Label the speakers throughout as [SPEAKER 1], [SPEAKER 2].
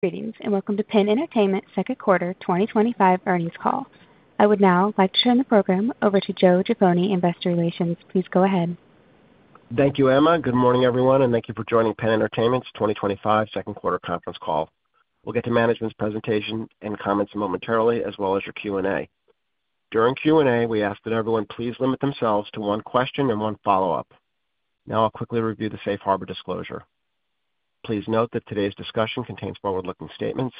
[SPEAKER 1] Greetings and welcome to PENN Entertainment's Second Quarter 2025 Earnings Call. I would now like to turn the program over to Joe Jaffoni in Investor Relations. Please go ahead.
[SPEAKER 2] Thank you, Emma. Good morning, everyone, and thank you for joining PENN Entertainment's 2025 Second Quarter Conference Call. We'll get to management's presentation and comments momentarily, as well as your Q&A. During Q&A, we ask that everyone please limit themselves to one question and one follow-up. Now, I'll quickly review the safe harbor disclosure. Please note that today's discussion contains forward-looking statements.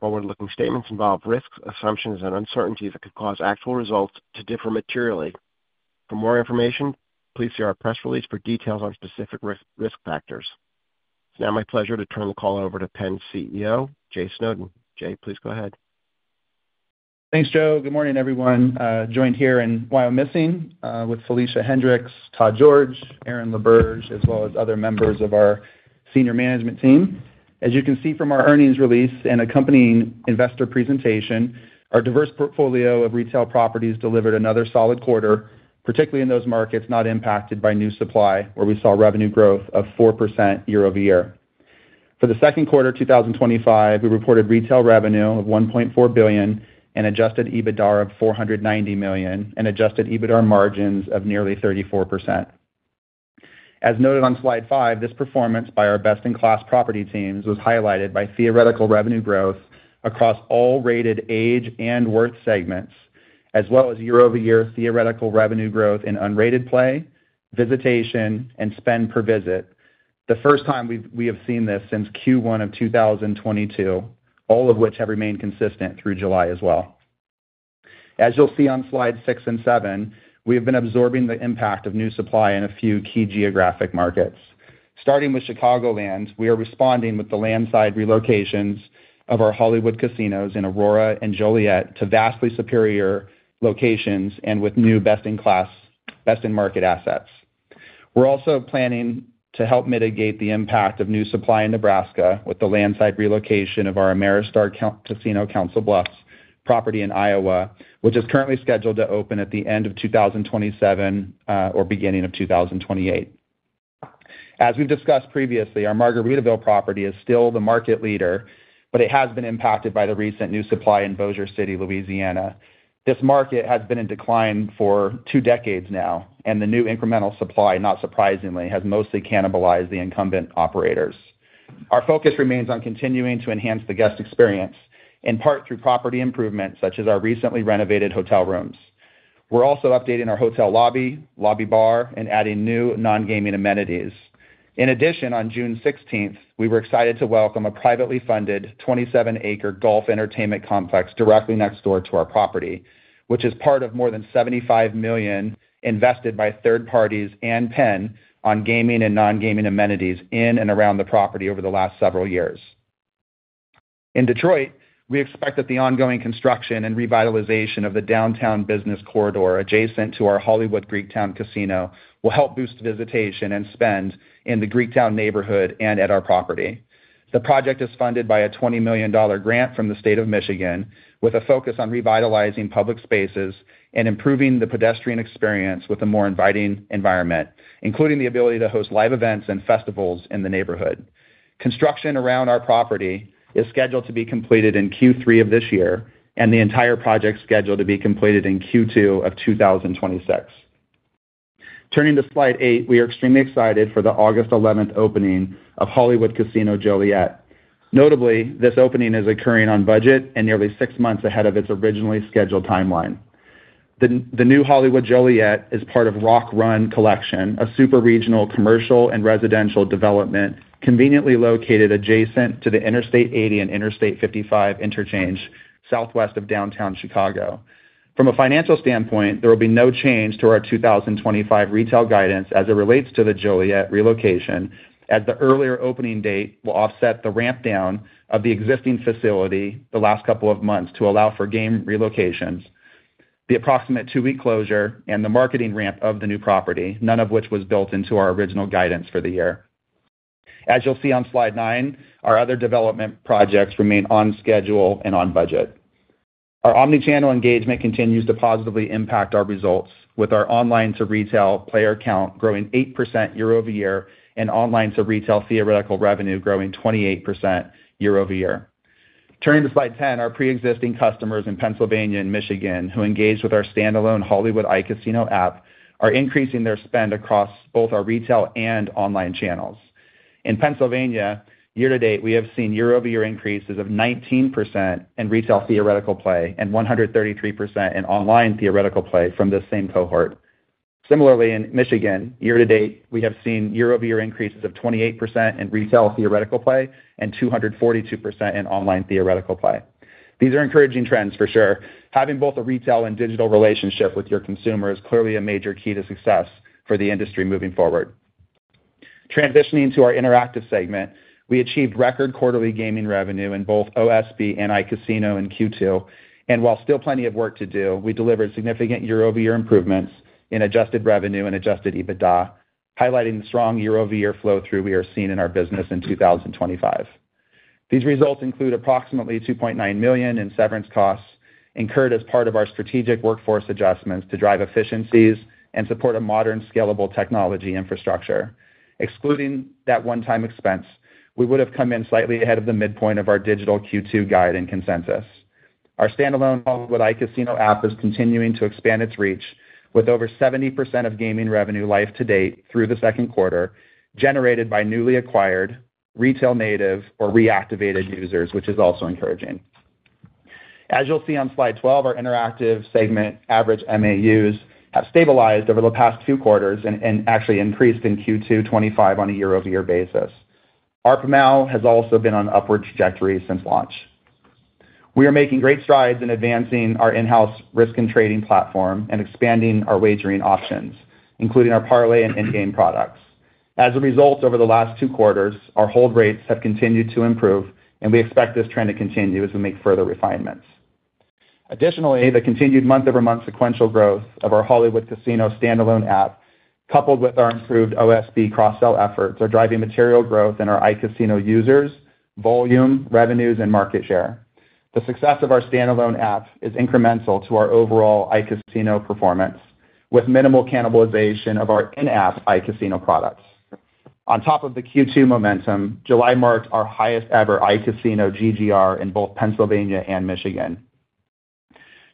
[SPEAKER 2] Forward-looking statements involve risks, assumptions, and uncertainties that could cause actual results to differ materially. For more information, please see our press release for details on specific risk factors. It's now my pleasure to turn the call over to PENN's CEO, Jay Snowden. Jay, please go ahead.
[SPEAKER 3] Thanks, Joe. Good morning, everyone. Joined here in Wyomissing with Felicia Hendrix, Todd George, Aaron LaBerge, as well as other members of our Senior Management team. As you can see from our earnings release and accompanying investor presentation, our diverse portfolio of retail properties delivered another solid quarter, particularly in those markets not impacted by new supply, where we saw revenue growth of 4% year-over-year. For the second quarter of 2025, we reported retail revenue of $1.4 billion and adjusted EBITDA of $490 million, and adjusted EBITDA margins of nearly 34%. As noted on slide five, this performance by our best-in-class property teams was highlighted by theoretical revenue growth across all rated age and worth segments, as well as year-over-year theoretical revenue growth in unrated play, visitation, and spend per visit, the first time we have seen this since Q1 of 2022, all of which have remained consistent through July as well. As you'll see on slides six and seven, we have been absorbing the impact of new supply in a few key geographic markets. Starting with Chicagoland, we are responding with the land-side relocations of our Hollywood casinos in Aurora and Joliet to vastly superior locations and with new best-in-class, best-in-market assets. We're also planning to help mitigate the impact of new supply in Nebraska with the land-side relocation of our Ameristar Casino Council Bluffs property in Iowa, which is currently scheduled to open at the end of 2027 or beginning of 2028. As we've discussed previously, our Margaritaville property is still the market leader, but it has been impacted by the recent new supply in Bossier City, Louisiana. This market has been in decline for two decades now, and the new incremental supply, not surprisingly, has mostly cannibalized the incumbent operators. Our focus remains on continuing to enhance the guest experience, in part through property improvements such as our recently renovated hotel rooms. We're also updating our hotel lobby, lobby bar, and adding new non-gaming amenities. In addition, on June 16, we were excited to welcome a privately funded 27 ac golf entertainment complex directly next door to our property, which is part of more than $75 million invested by third parties and PENN on gaming and non-gaming amenities in and around the property over the last several years. In Detroit, we expect that the ongoing construction and revitalization of the downtown business corridor adjacent to our Hollywood Greektown Casino will help boost visitation and spend in the Greektown neighborhood and at our property. The project is funded by a $20 million grant from the state of Michigan, with a focus on revitalizing public spaces and improving the pedestrian experience with a more inviting environment, including the ability to host live events and festivals in the neighborhood. Construction around our property is scheduled to be completed in Q3 of this year, and the entire project is scheduled to be completed in Q2 of 2026. Turning to slide eight, we are extremely excited for the August 11 opening of Hollywood Casino Joliet. Notably, this opening is occurring on budget and nearly six months ahead of its originally scheduled timeline. The new Hollywood Joliet is part of Rock Run Collection, a super regional commercial and residential development conveniently located adjacent to the Interstate 80 and Interstate 55 interchange southwest of downtown Chicago. From a financial standpoint, there will be no change to our 2025 retail guidance as it relates to the Joliet relocation, as the earlier opening date will offset the ramp down of the existing facility the last couple of months to allow for game relocations, the approximate two-week closure, and the marketing ramp of the new property, none of which was built into our original guidance for the year. As you'll see on slide nine, our other development projects remain on schedule and on budget. Our omnichannel engagement continues to positively impact our results, with our online-to-retail player count growing 8% year-over-year and online-to-retail theoretical revenue growing 28% year-over-year. Turning to slide ten, our pre-existing customers in Pennsylvania and Michigan, who engage with our standalone Hollywood iCasino app, are increasing their spend across both our retail and online channels. In Pennsylvania, year to date, we have seen year-over-year increases of 19% in retail theoretical play and 133% in online theoretical play from this same cohort. Similarly, in Michigan, year to date, we have seen year-over-year increases of 28% in retail theoretical play and 242% in online theoretical play. These are encouraging trends for sure. Having both a retail and digital relationship with your consumer is clearly a major key to success for the industry moving forward. Transitioning to our interactive segment, we achieved record quarterly gaming revenue in both OSB and iCasino in Q2. While still plenty of work to do, we delivered significant year-over-year improvements in adjusted revenue and adjusted EBITDA, highlighting the strong year-over-year flow-through we are seeing in our business in 2025. These results include approximately $2.9 million in severance costs incurred as part of our strategic workforce adjustments to drive efficiencies and support a modern, scalable technology infrastructure. Excluding that one-time expense, we would have come in slightly ahead of the midpoint of our digital Q2 guide and consensus. Our standalone Hollywood iCasino app is continuing to expand its reach, with over 70% of gaming revenue life to date through the second quarter generated by newly acquired retail native or reactivated users, which is also encouraging. As you'll see on slide 12, our interactive segment average MAUs have stabilized over the past two quarters and actually increased in Q2 2025 on a year-over-year basis. Our PMAL has also been on an upward trajectory since launch. We are making great strides in advancing our in-house risk and trading platform and expanding our wagering options, including our parlay and in-game products. As a result, over the last two quarters, our hold rates have continued to improve, and we expect this trend to continue as we make further refinements. Additionally, the continued month-over-month sequential growth of our Hollywood Casino standalone app, coupled with our improved OSB cross-sell efforts, are driving material growth in our iCasino users' volume, revenues, and market share. The success of our standalone app is incremental to our overall iCasino performance, with minimal cannibalization of our in-app iCasino products. On top of the Q2 momentum, July marked our highest ever iCasino GGR in both Pennsylvania and Michigan.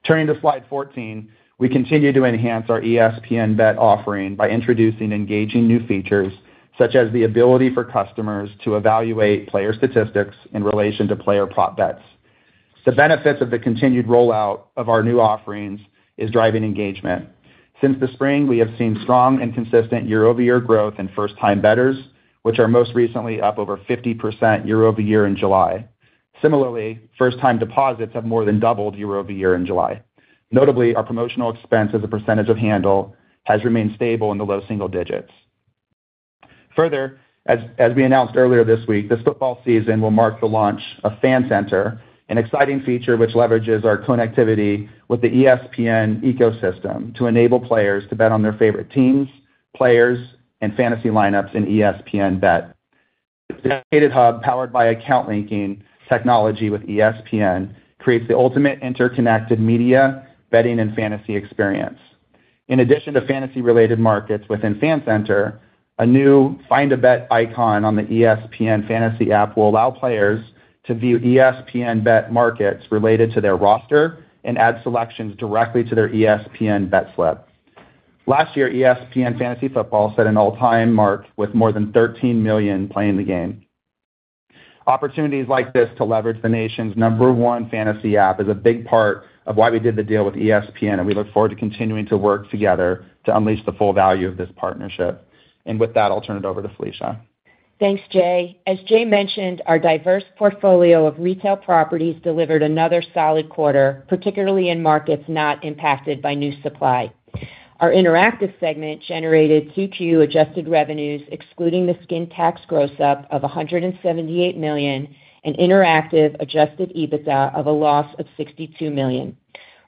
[SPEAKER 3] Turning to slide 14, we continue to enhance our ESPN Bet offering by introducing engaging new features, such as the ability for customers to evaluate player statistics in relation to player pot bets. The benefits of the continued rollout of our new offerings are driving engagement. Since the spring, we have seen strong and consistent year-over-year growth in first-time bettors, which are most recently up over 50% year-over-year in July. Similarly, first-time deposits have more than doubled year-over-year in July. Notably, our promotional expense as a percentage of handle has remained stable in the low single digits. Further, as we announced earlier this week, this football season will mark the launch of Fancenter, an exciting feature which leverages our connectivity with the ESPN ecosystem to enable players to bet on their favorite teams, players, and fantasy lineups in ESPN Bet. The dedicated hub powered by account linking technology with ESPN creates the ultimate interconnected media betting and fantasy experience. In addition to fantasy-related markets within Fancenter, a new Find a Bet icon on the ESPN Fantasy app will allow players to view ESPN Bet markets related to their roster and add selections directly to their ESPN Bet Slip. Last year, ESPN Fantasy Football set an all-time mark with more than 13 million playing the game. Opportunities like this to leverage the nation's number one fantasy app is a big part of why we did the deal with ESPN, and we look forward to continuing to work together to unleash the full value of this partnership. With that, I'll turn it over to Felicia.
[SPEAKER 4] Thanks, Jay. As Jay mentioned, our diverse portfolio of retail properties delivered another solid quarter, particularly in markets not impacted by new supply. Our interactive segment generated Q2 adjusted revenues, excluding the skin tax gross up, of $178 million and interactive adjusted EBITDA of a loss of $62 million.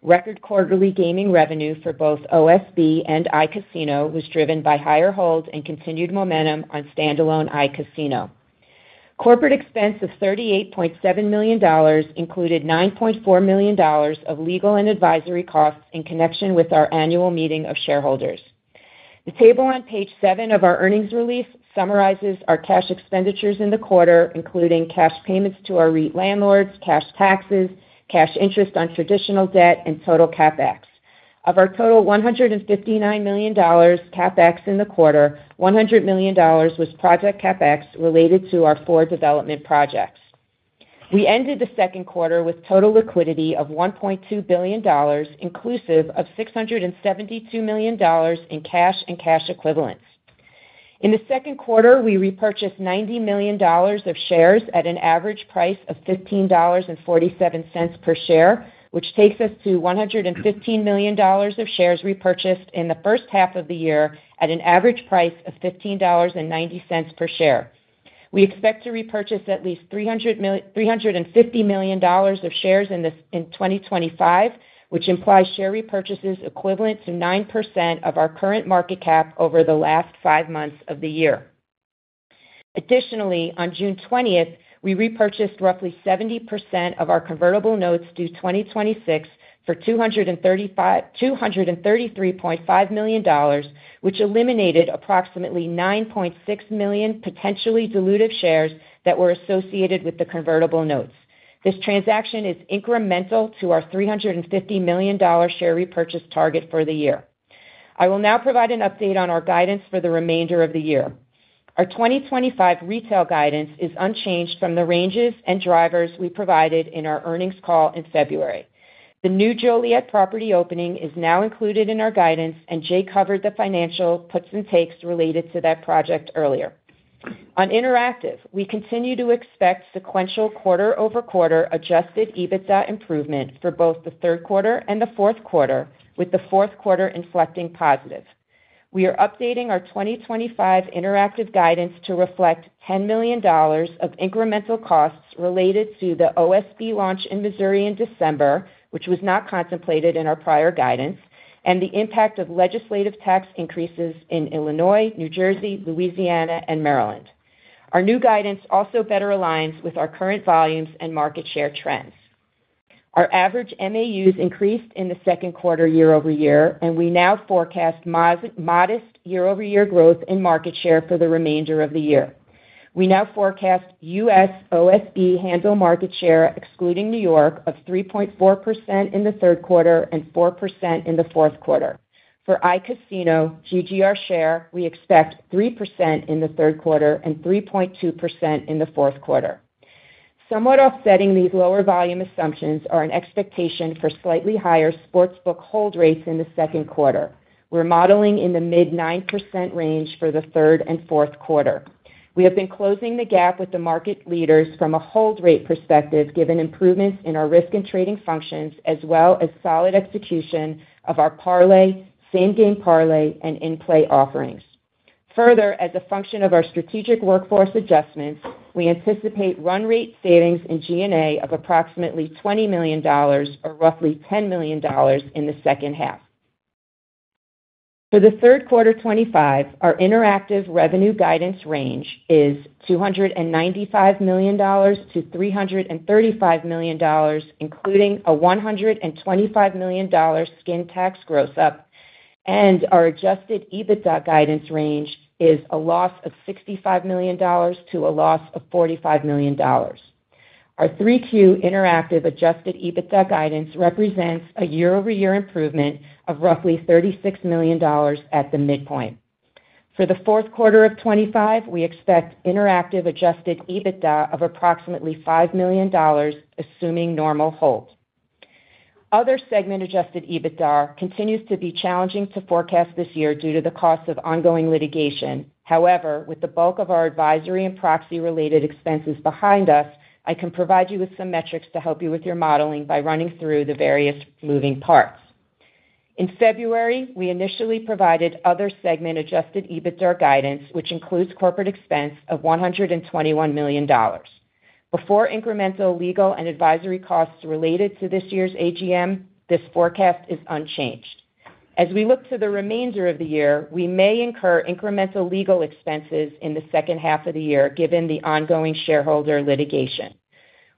[SPEAKER 4] Record quarterly gaming revenue for both OSB and iCasino was driven by higher holds and continued momentum on standalone iCasino. Corporate expense of $38.7 million included $9.4 million of legal and advisory costs in connection with our annual meeting of shareholders. The table on page seven of our earnings release summarizes our cash expenditures in the quarter, including cash payments to our REIT landlords, cash taxes, cash interest on traditional debt, and total CapEx. Of our total $159 million CapEx in the quarter, $100 million was project CapEx related to our four development projects. We ended the second quarter with total liquidity of $1.2 billion, inclusive of $672 million in cash and cash equivalents. In the second quarter, we repurchased $90 million of shares at an average price of $15.47 per share, which takes us to $115 million of shares repurchased in the first half of the year at an average price of $15.90 per share. We expect to repurchase at least $350 million of shares in 2025, which implies share repurchases equivalent to 9% of our current market cap over the last five months of the year. Additionally, on June 20, we repurchased roughly 70% of our convertible notes due 2026 for $233.5 million, which eliminated approximately 9.6 million potentially dilutive shares that were associated with the convertible notes. This transaction is incremental to our $350 million share repurchase target for the year. I will now provide an update on our guidance for the remainder of the year. Our 2025 retail guidance is unchanged from the ranges and drivers we provided in our earnings call in February. The new Joliet property opening is now included in our guidance, and Jay covered the financial puts and takes related to that project earlier. On interactive, we continue to expect sequential quarter-over-quarter adjusted EBITDA improvement for both the third quarter and the fourth quarter, with the fourth quarter inflecting positive. We are updating our 2025 interactive guidance to reflect $10 million of incremental costs related to the OSB launch in Missouri in December, which was not contemplated in our prior guidance, and the impact of legislative tax increases in Illinois, New Jersey, Louisiana, and Maryland. Our new guidance also better aligns with our current volumes and market share trends. Our average MAUs increased in the second quarter year-over-year, and we now forecast modest year-over-year growth in market share for the remainder of the year. We now forecast US OSB handle market share, excluding New York, of 3.4% in the third quarter and 4% in the fourth quarter. For iCasino GGR share, we expect 3% in the third quarter and 3.2% in the fourth quarter. Somewhat offsetting these lower volume assumptions are an expectation for slightly higher sportsbook hold rates in the second quarter. We're modeling in the mid-9% range for the third and fourth quarter. We have been closing the gap with the market leaders from a hold rate perspective, given improvements in our risk and trading functions, as well as solid execution of our parlay, same-game parlay, and in-play offerings. Further, as a function of our strategic workforce adjustments, we anticipate run rate savings in G&A of approximately $20 million, or roughly $10 million, in the second half. For the third quarter 2025, our interactive revenue guidance range is $295 million-$335 million, including a $125 million skin tax gross up, and our adjusted EBITDA guidance range is a loss of $65 million to a loss of $45 million. Our third quarter interactive adjusted EBITDA guidance represents a year-over-year improvement of roughly $36 million at the midpoint. For the fourth quarter of 2025, we expect interactive adjusted EBITDA of approximately $5 million, assuming normal hold. Other segment adjusted EBITDA continues to be challenging to forecast this year due to the cost of ongoing litigation. However, with the bulk of our advisory and proxy-related expenses behind us, I can provide you with some metrics to help you with your modeling by running through the various moving parts. In February, we initially provided other segment adjusted EBITDA guidance, which includes corporate expense of $121 million. Before incremental legal and advisory costs related to this year's AGM, this forecast is unchanged. As we look to the remainder of the year, we may incur incremental legal expenses in the second half of the year, given the ongoing shareholder litigation.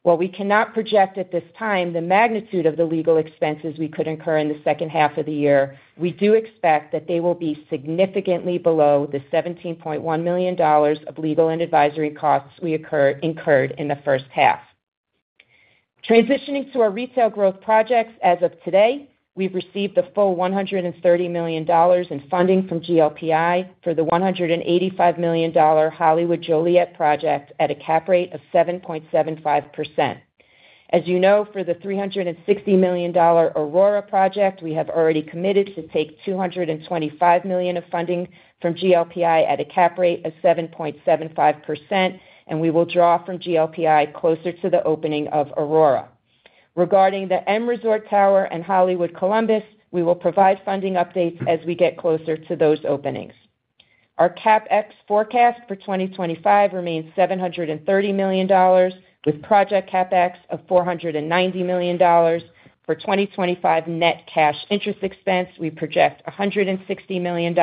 [SPEAKER 4] While we cannot project at this time the magnitude of the legal expenses we could incur in the second half of the year, we do expect that they will be significantly below the $17.1 million of legal and advisory costs we incurred in the first half. Transitioning to our retail growth projects, as of today, we've received the full $130 million in funding from GLPI for the $185 million Hollywood Joliet project at a cap rate of 7.75%. As you know, for the $360 million Aurora project, we have already committed to take $225 million of funding from GLPI at a cap rate of 7.75%, and we will draw from GLPI closer to the opening of Aurora. Regarding the M Resort Tower and Hollywood Columbus, we will provide funding updates as we get closer to those openings. Our CapEx forecast for 2025 remains $730 million, with project CapEx of $490 million. For 2025 net cash interest expense, we project $160 million.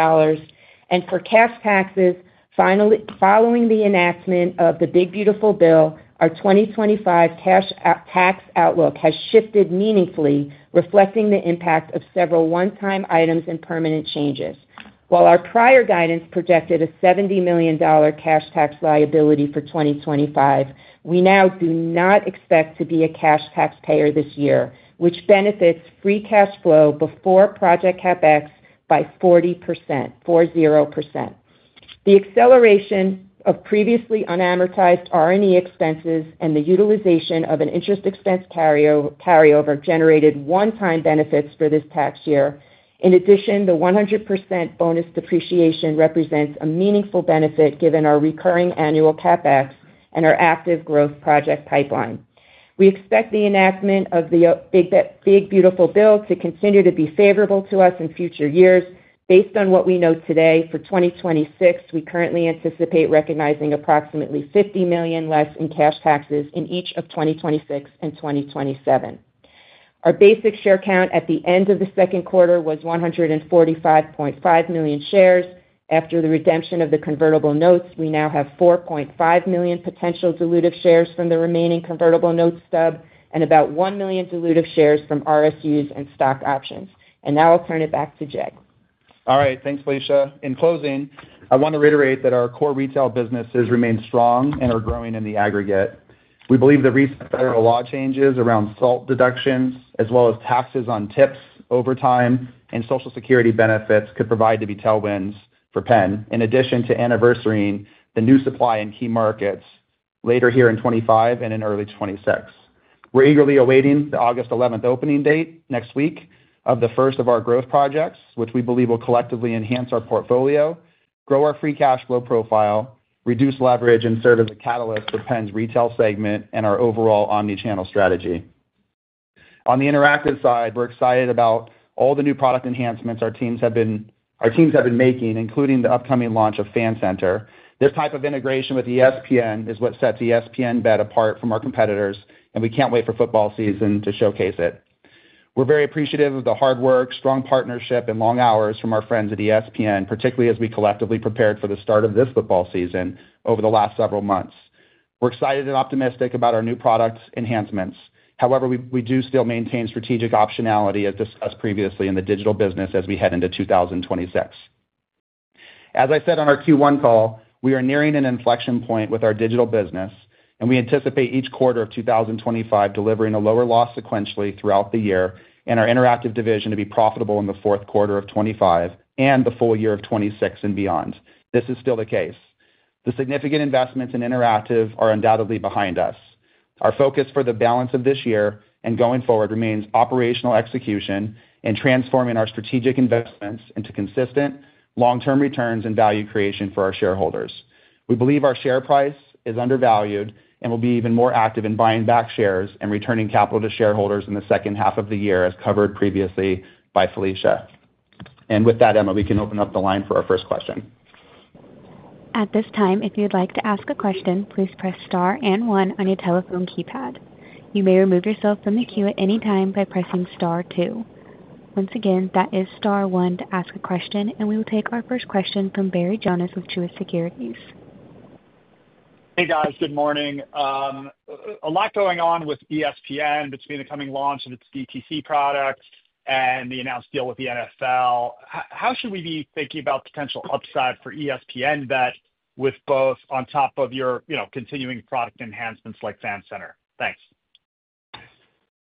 [SPEAKER 4] For cash taxes, finally, following the announcement of the Big Beautiful Bill, our 2025 cash tax outlook has shifted meaningfully, reflecting the impact of several one-time items and permanent changes. While our prior guidance projected a $70 million cash tax liability for 2025, we now do not expect to be a cash taxpayer this year, which benefits free cash flow before project CapEx by 40%. The acceleration of previously unamortized R&E expenses and the utilization of an interest expense carryover generated one-time benefits for this tax year. In addition, the 100% bonus depreciation represents a meaningful benefit given our recurring annual CapEx and our active growth project pipeline. We expect the announcement of the Big Beautiful Bill to continue to be favorable to us in future years. Based on what we know today for 2026, we currently anticipate recognizing approximately $50 million less in cash taxes in each of 2026 and 2027. Our basic share count at the end of the second quarter was 145.5 million shares. After the redemption of the convertible notes, we now have 4.5 million potential dilutive shares from the remaining convertible notes stub and about 1 million dilutive shares from RSUs and stock options. I'll turn it back to Jay.
[SPEAKER 3] All right. Thanks, Felicia. In closing, I want to reiterate that our core retail businesses remain strong and are growing in the aggregate. We believe the recent federal law changes around SALT deductions, as well as taxes on tips, overtime, and Social Security benefits could provide to be tailwinds for PENN, in addition to anniversarying the new supply in key markets later here in 2025 and in early 2026. We're eagerly awaiting the August 11 opening date next week of the first of our growth projects, which we believe will collectively enhance our portfolio, grow our free cash flow profile, reduce leverage, and serve as a catalyst for PENN's retail segment and our overall omnichannel strategy. On the interactive side, we're excited about all the new product enhancements our teams have been making, including the upcoming launch of Fancenter. This type of integration with ESPN is what sets ESPN Bet apart from our competitors, and we can't wait for football season to showcase it. We're very appreciative of the hard work, strong partnership, and long hours from our friends at ESPN, particularly as we collectively prepared for the start of this football season over the last several months. We're excited and optimistic about our new product enhancements. However, we do still maintain strategic optionality, as discussed previously in the digital business as we head into 2026. As I said on our Q1 call, we are nearing an inflection point with our digital business, and we anticipate each quarter of 2025 delivering a lower loss sequentially throughout the year and our interactive division to be profitable in the fourth quarter of 2025 and the full year of 2026 and beyond. This is still the case. The significant investments in interactive are undoubtedly behind us. Our focus for the balance of this year and going forward remains operational execution and transforming our strategic investments into consistent long-term returns and value creation for our shareholders. We believe our share price is undervalued and will be even more active in buying back shares and returning capital to shareholders in the second half of the year, as covered previously by Felicia. With that, Emma, we can open up the line for our first question.
[SPEAKER 1] At this time, if you'd like to ask a question, please press star and one on your telephone keypad. You may remove yourself from the queue at any time by pressing star two. Once again, that is star one to ask a question, and we will take our first question from Barry Jonas with Truist Securities.
[SPEAKER 5] Hey, guys. Good morning. A lot going on with ESPN between the coming launch of its DTC product and the announced deal with the NFL. How should we be thinking about potential upside for ESPN Bet with both on top of your continuing product enhancements like Fancenter? Thanks.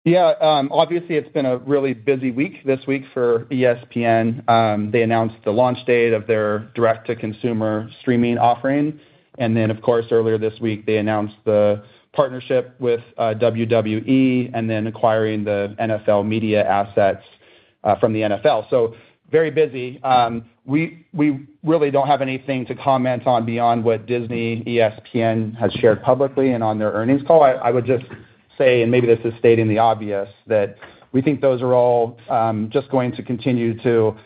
[SPEAKER 3] Yeah, obviously, it's been a really busy week this week for ESPN. They announced the launch date of their direct-to-consumer streaming offering. Earlier this week, they announced the partnership with WWE and then acquiring the NFL media assets from the NFL. Very busy. We really don't have anything to comment on beyond what Disney ESPN has shared publicly and on their earnings call. I would just say, and maybe this is stating the obvious, that we think those are all just going to continue to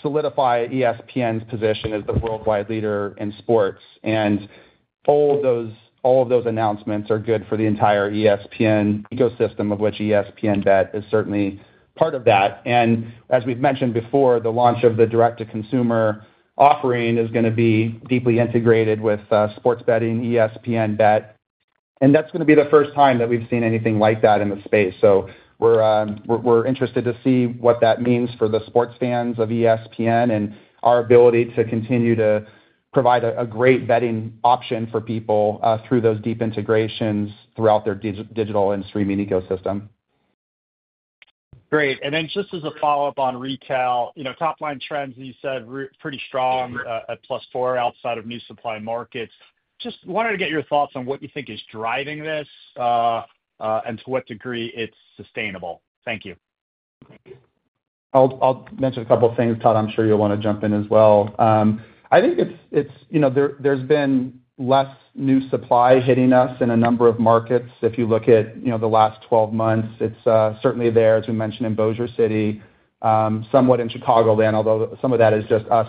[SPEAKER 3] solidify ESPN's position as the worldwide leader in sports. All of those announcements are good for the entire ESPN ecosystem, of which ESPN Bet is certainly part of that. As we've mentioned before, the launch of the direct-to-consumer offering is going to be deeply integrated with sports betting ESPN Bet. That's going to be the first time that we've seen anything like that in the space. We're interested to see what that means for the sports fans of ESPN and our ability to continue to provide a great betting option for people through those deep integrations throughout their digital and streaming ecosystem.
[SPEAKER 5] Great. Just as a follow-up on retail, you know, top line trends, you said, pretty strong at +4% outside of new supply markets. Just wanted to get your thoughts on what you think is driving this and to what degree it's sustainable. Thank you.
[SPEAKER 3] I'll mention a couple of things, Todd. I'm sure you'll want to jump in as well. I think there's been less new supply hitting us in a number of markets. If you look at the last 12 months, it's certainly there, as we mentioned, in Bossier City, somewhat in Chicagoland, although some of that is just us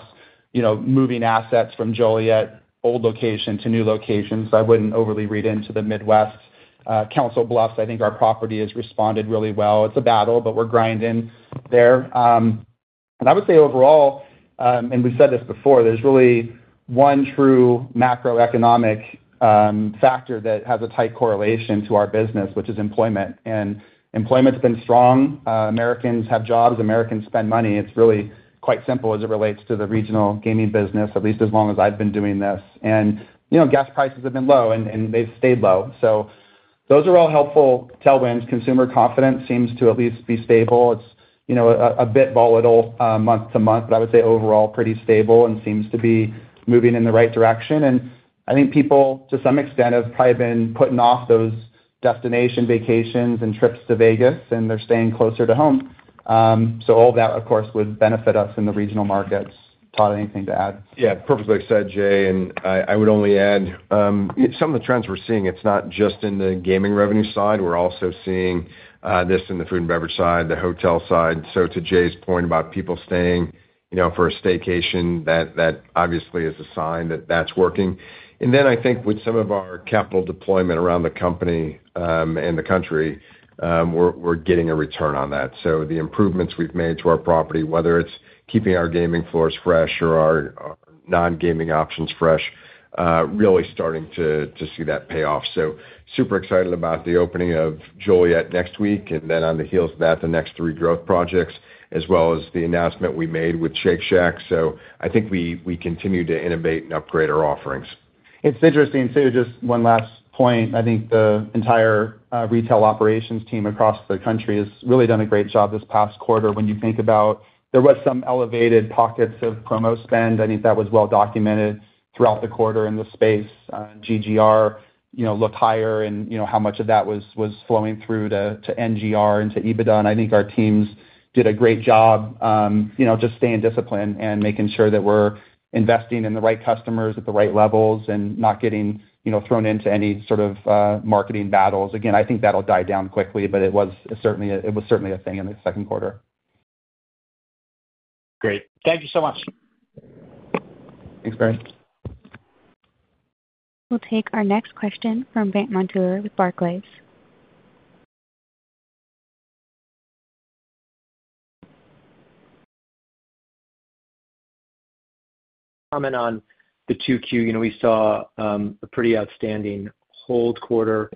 [SPEAKER 3] moving assets from Joliet old location to new locations. I wouldn't overly read into the Midwest Council Bluffs. I think our property has responded really well. It's a battle, but we're grinding there. I would say overall, and we've said this before, there's really one true macroeconomic factor that has a tight correlation to our business, which is employment. Employment's been strong. Americans have jobs. Americans spend money. It's really quite simple as it relates to the regional gaming business, at least as long as I've been doing this. Gas prices have been low, and they've stayed low. Those are all helpful tailwinds. Consumer confidence seems to at least be stable. It's a bit volatile month to month, but I would say overall pretty stable and seems to be moving in the right direction. I think people, to some extent, have probably been putting off those destination vacations and trips to Vegas, and they're staying closer to home. All of that, of course, would benefit us in the regional markets. Todd, anything to add?
[SPEAKER 6] Yeah, perfectly said, Jay. I would only add some of the trends we're seeing, it's not just in the gaming revenue side. We're also seeing this in the food and beverage side, the hotel side. To Jay's point about people staying, you know, for a staycation, that obviously is a sign that that's working. I think with some of our capital deployment around the company and the country, we're getting a return on that. The improvements we've made to our property, whether it's keeping our gaming floors fresh or our non-gaming options fresh, really starting to see that pay off. I'm super excited about the opening of Joliet next week. On the heels of that, the next three growth projects, as well as the announcement we made with Shake Shack, I think we continue to innovate and upgrade our offerings.
[SPEAKER 3] It's interesting too, just one last point. I think the entire retail operations team across the country has really done a great job this past quarter. When you think about there were some elevated pockets of promo spend, I think that was well documented throughout the quarter in the space. GGR looked higher and, you know, how much of that was flowing through to NGR and to EBITDA. I think our teams did a great job just staying disciplined and making sure that we're investing in the right customers at the right levels and not getting thrown into any sort of marketing battles. I think that'll die down quickly, but it was certainly a thing in the second quarter.
[SPEAKER 5] Great. Thank you so much.
[SPEAKER 3] Thanks, Barry.
[SPEAKER 1] We'll take our next question from Brandt Montour with Barclays.
[SPEAKER 7] Comment on the 2Q. We saw a pretty outstanding hold quarter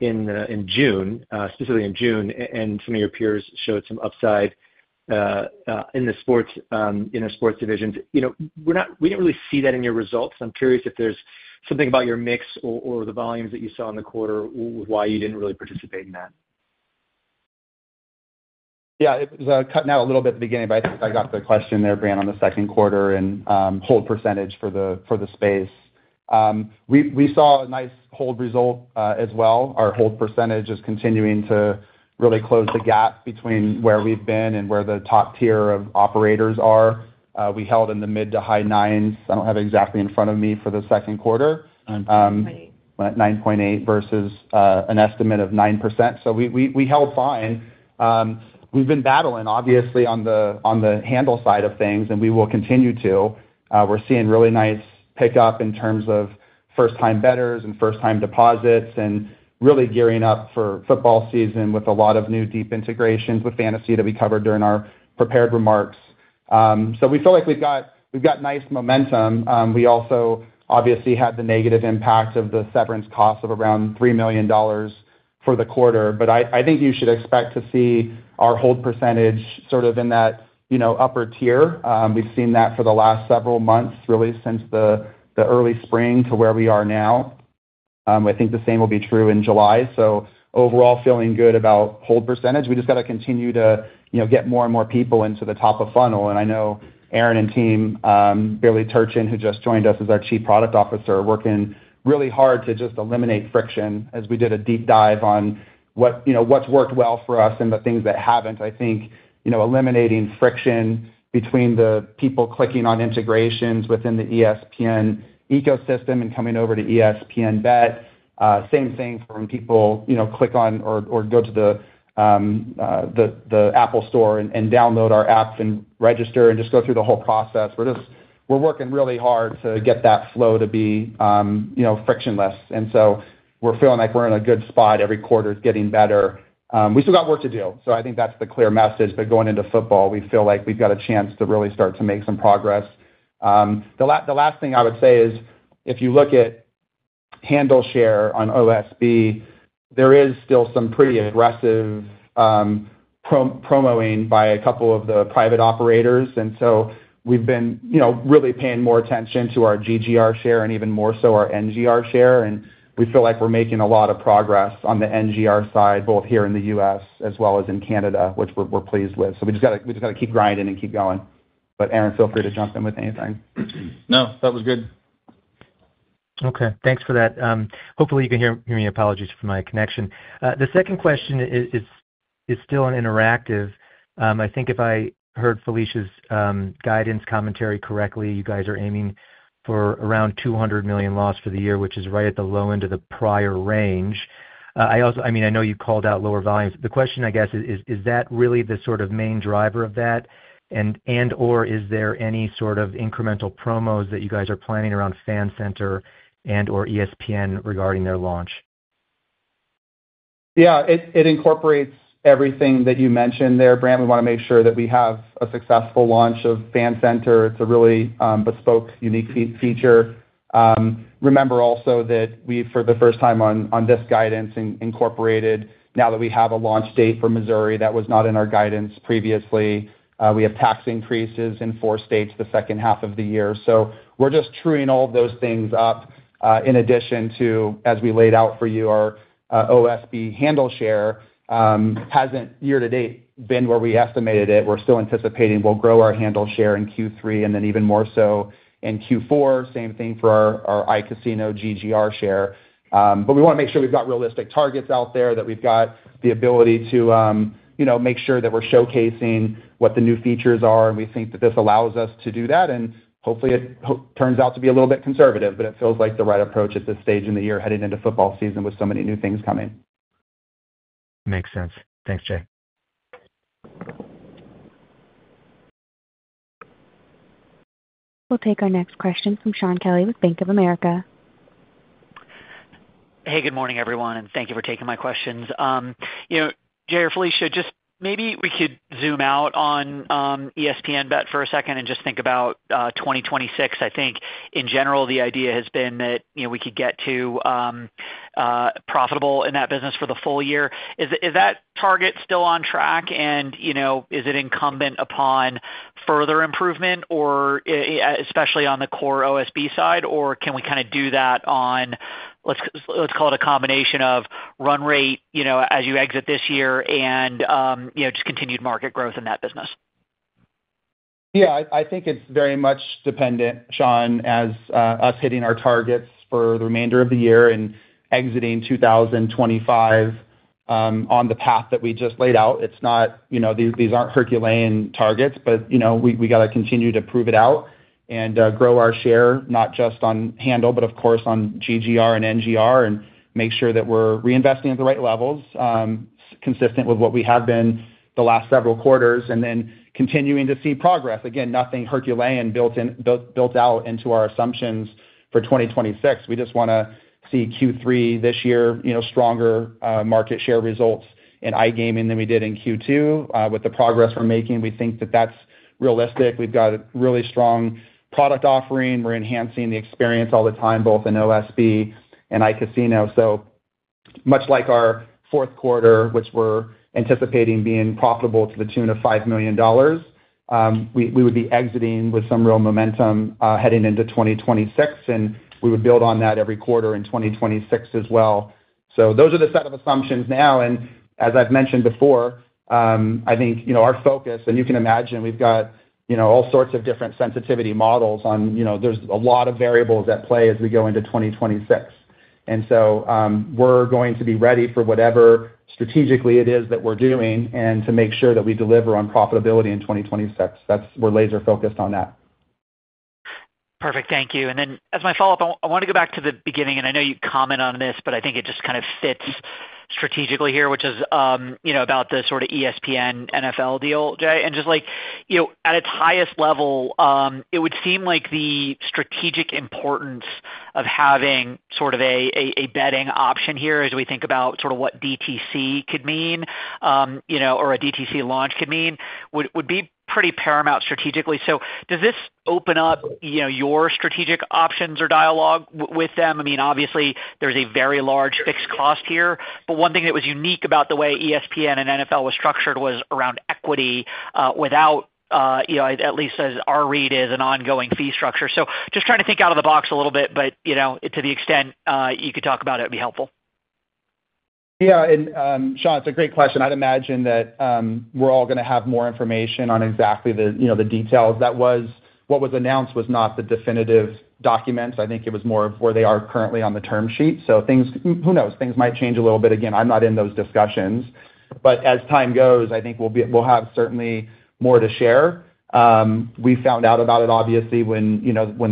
[SPEAKER 7] in June, specifically in June, and some of your peers showed some upside in the sports, in our sports divisions. We didn't really see that in your results. I'm curious if there's something about your mix or the volumes that you saw in the quarter with why you didn't really participate in that.
[SPEAKER 3] Yeah, it was cut out a little bit at the beginning, but I got the question there, Brian, on the second quarter and hold percentage for the space. We saw a nice hold result as well. Our hold percentage is continuing to really close the gap between where we've been and where the top tier of operators are. We held in the mid to high 9%s. I don't have it exactly in front of me for the second quarter.
[SPEAKER 4] 9.8.
[SPEAKER 3] 9.8% versus an estimate of 9%. We held fine. We've been battling, obviously, on the handle side of things, and we will continue to. We're seeing really nice pickup in terms of first-time bettors and first-time deposits and really gearing up for football season with a lot of new deep integrations with fantasy that we covered during our prepared remarks. We feel like we've got nice momentum. We also obviously had the negative impact of the severance cost of around $3 million for the quarter. I think you should expect to see our hold percentage sort of in that upper tier. We've seen that for the last several months, really since the early spring to where we are now. I think the same will be true in July. Overall, feeling good about hold percentage. We just got to continue to get more and more people into the top of funnel. I know Aaron and team, Bailey Turchin, who just joined us as our Chief Product Officer, are working really hard to just eliminate friction as we did a deep dive on what’s worked well for us and the things that haven't. I think eliminating friction between the people clicking on integrations within the ESPN ecosystem and coming over to ESPN Bet. Same thing for when people click on or go to the Apple Store and download our apps and register and just go through the whole process. We're working really hard to get that flow to be frictionless. We're feeling like we're in a good spot. Every quarter is getting better. We still got work to do. I think that's the clear message. Going into football, we feel like we've got a chance to really start to make some progress. The last thing I would say is if you look at handle share on OSB, there is still some pretty aggressive promoing by a couple of the private operators. We've been really paying more attention to our GGR share and even more so our NGR share. We feel like we're making a lot of progress on the NGR side, both here in the U.S. as well as in Canada, which we're pleased with. We just got to keep grinding and keep going. Aaron, feel free to jump in with anything.
[SPEAKER 8] No, that was good.
[SPEAKER 7] Okay, thanks for that. Hopefully, you can hear me. Apologies for my connection. The second question is still on interactive. I think if I heard Felicia's guidance commentary correctly, you guys are aiming for around $200 million loss for the year, which is right at the low end of the prior range. I also, I mean, I know you called out lower volumes. The question, I guess, is, is that really the sort of main driver of that? And/or is there any sort of incremental promos that you guys are planning around Fancenter and/or ESPN regarding their launch?
[SPEAKER 3] Yeah. It incorporates everything that you mentioned there, Brandt. We want to make sure that we have a successful launch of Fancenter. It's a really bespoke, unique feature. Remember also that we, for the first time on this guidance, incorporated now that we have a launch date for Missouri that was not in our guidance previously. We have tax increases in four states the second half of the year. We are just truing all of those things up. In addition to, as we laid out for you, our OSB handle share hasn't year to date been where we estimated it. We are still anticipating we will grow our handle share in Q3 and then even more so in Q4. Same thing for our iCasino GGR share. We want to make sure we've got realistic targets out there, that we've got the ability to, you know, make sure that we're showcasing what the new features are. We think that this allows us to do that. Hopefully, it turns out to be a little bit conservative, but it feels like the right approach at this stage in the year heading into football season with so many new things coming.
[SPEAKER 7] Makes sense. Thanks, Jay.
[SPEAKER 1] We'll take our next question from Shaun Kelley with Bank of America.
[SPEAKER 9] Hey, good morning, everyone, and thank you for taking my questions. Jay or Felicia, maybe we could zoom out on ESPN Bet for a second and just think about 2026. I think in general, the idea has been that we could get to profitable in that business for the full year. Is that target still on track? Is it incumbent upon further improvement, especially on the core OSB side, or can we kind of do that on, let's call it a combination of run rate as you exit this year and just continued market growth in that business?
[SPEAKER 3] Yeah, I think it's very much dependent, Shaun, on us hitting our targets for the remainder of the year and exiting 2025 on the path that we just laid out. It's not, you know, these aren't Herculean targets, but we got to continue to prove it out and grow our share, not just on handle, but of course on GGR and NGR, and make sure that we're reinvesting at the right levels, consistent with what we have been the last several quarters, and then continuing to see progress. Nothing Herculean is built out into our assumptions for 2026. We just want to see Q3 this year, you know, stronger market share results in iGaming than we did in Q2. With the progress we're making, we think that that's realistic. We've got a really strong product offering. We're enhancing the experience all the time, both in OSB and iCasino. Much like our fourth quarter, which we're anticipating being profitable to the tune of $5 million, we would be exiting with some real momentum heading into 2026, and we would build on that every quarter in 2026 as well. Those are the set of assumptions now. As I've mentioned before, I think our focus, and you can imagine we've got all sorts of different sensitivity models on, you know, there's a lot of variables at play as we go into 2026. We're going to be ready for whatever strategically it is that we're doing and to make sure that we deliver on profitability in 2026. We're laser focused on that.
[SPEAKER 9] Perfect. Thank you. As my follow-up, I want to go back to the beginning, and I know you comment on this, but I think it just kind of fits strategically here, which is, you know, about the sort of ESPN NFL deal, Jay. Just like, you know, at its highest level, it would seem like the strategic importance of having sort of a betting option here as we think about sort of what DTC could mean, you know, or a DTC launch could mean, would be pretty paramount strategically. Does this open up, you know, your strategic options or dialogue with them? I mean, obviously, there's a very large fixed cost here. One thing that was unique about the way ESPN and NFL were structured was around equity without, you know, at least as our read is, an ongoing fee structure. Just trying to think out of the box a little bit, but, you know, to the extent you could talk about it, it would be helpful.
[SPEAKER 3] Yeah, and Shaun, it's a great question. I'd imagine that we're all going to have more information on exactly the details. That was what was announced, was not the definitive documents. I think it was more of where they are currently on the term sheet. Things might change a little bit. Again, I'm not in those discussions. As time goes, I think we'll have certainly more to share. We found out about it, obviously, when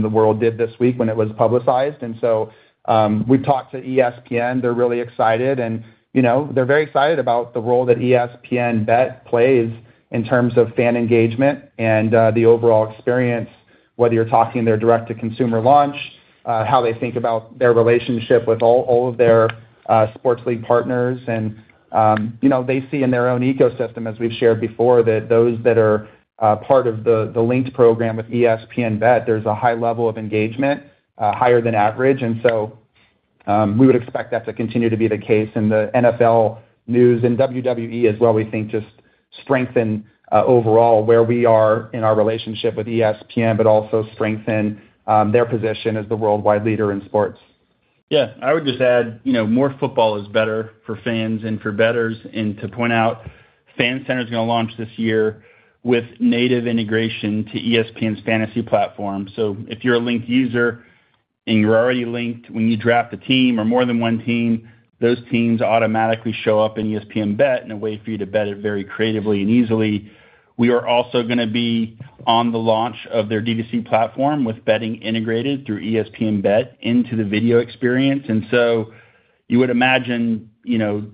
[SPEAKER 3] the world did this week, when it was publicized. We talked to ESPN. They're really excited, and they're very excited about the role that ESPN Bet plays in terms of fan engagement and the overall experience, whether you're talking their direct-to-consumer launch, how they think about their relationship with all of their sports league partners. They see in their own ecosystem, as we've shared before, that those that are part of the linked program with ESPN Bet, there's a high level of engagement, higher than average. We would expect that to continue to be the case in the NFL news and WWE as well. We think it will just strengthen overall where we are in our relationship with ESPN, but also strengthen their position as the worldwide leader in sports. I would just add, more football is better for fans and for bettors. To point out, Fancenter is going to launch this year with native integration to ESPN's fantasy platform. If you're a linked user and you're already linked when you draft a team or more than one team, those teams automatically show up in ESPN Bet and a way for you to bet it very creatively and easily. We are also going to be on the launch of their DTC platform with betting integrated through ESPN Bet into the video experience. You would imagine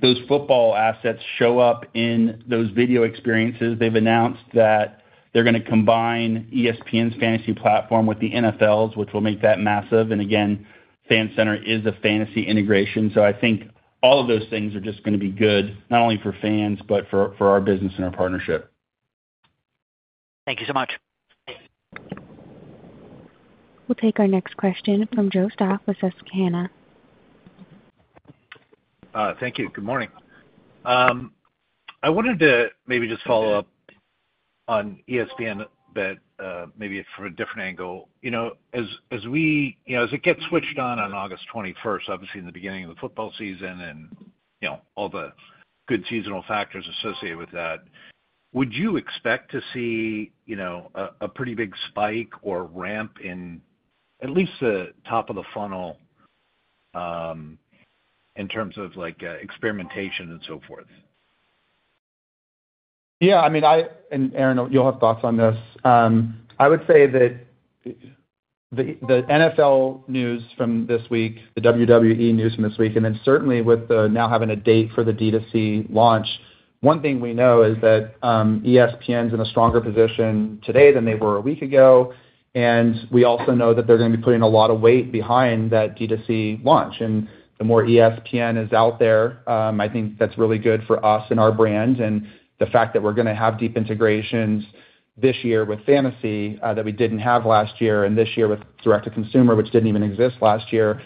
[SPEAKER 3] those football assets show up in those video experiences. They've announced that they're going to combine ESPN's fantasy platform with the NFL's, which will make that massive. Again, Fancenter is a fantasy integration. I think all of those things are just going to be good, not only for fans, but for our business and our partnership.
[SPEAKER 9] Thank you so much.
[SPEAKER 1] We'll take our next question from Joseph Stauff with Susquehanna.
[SPEAKER 10] Thank you. Good morning. I wanted to maybe just follow up on ESPN Bet, maybe from a different angle. As it gets switched on August 21st, obviously in the beginning of the football season and all the good seasonal factors associated with that, would you expect to see a pretty big spike or ramp in at least the top of the funnel in terms of experimentation and so forth?
[SPEAKER 3] Yeah, I mean, Aaron, you'll have thoughts on this. I would say that the NFL news from this week, the WWE news from this week, and then certainly with now having a date for the DTC launch, one thing we know is that ESPN is in a stronger position today than they were a week ago. We also know that they're going to be putting a lot of weight behind that DTC launch. The more ESPN is out there, I think that's really good for us and our brand. The fact that we're going to have deep integrations this year with fantasy that we didn't have last year and this year with direct-to-consumer, which didn't even exist last year,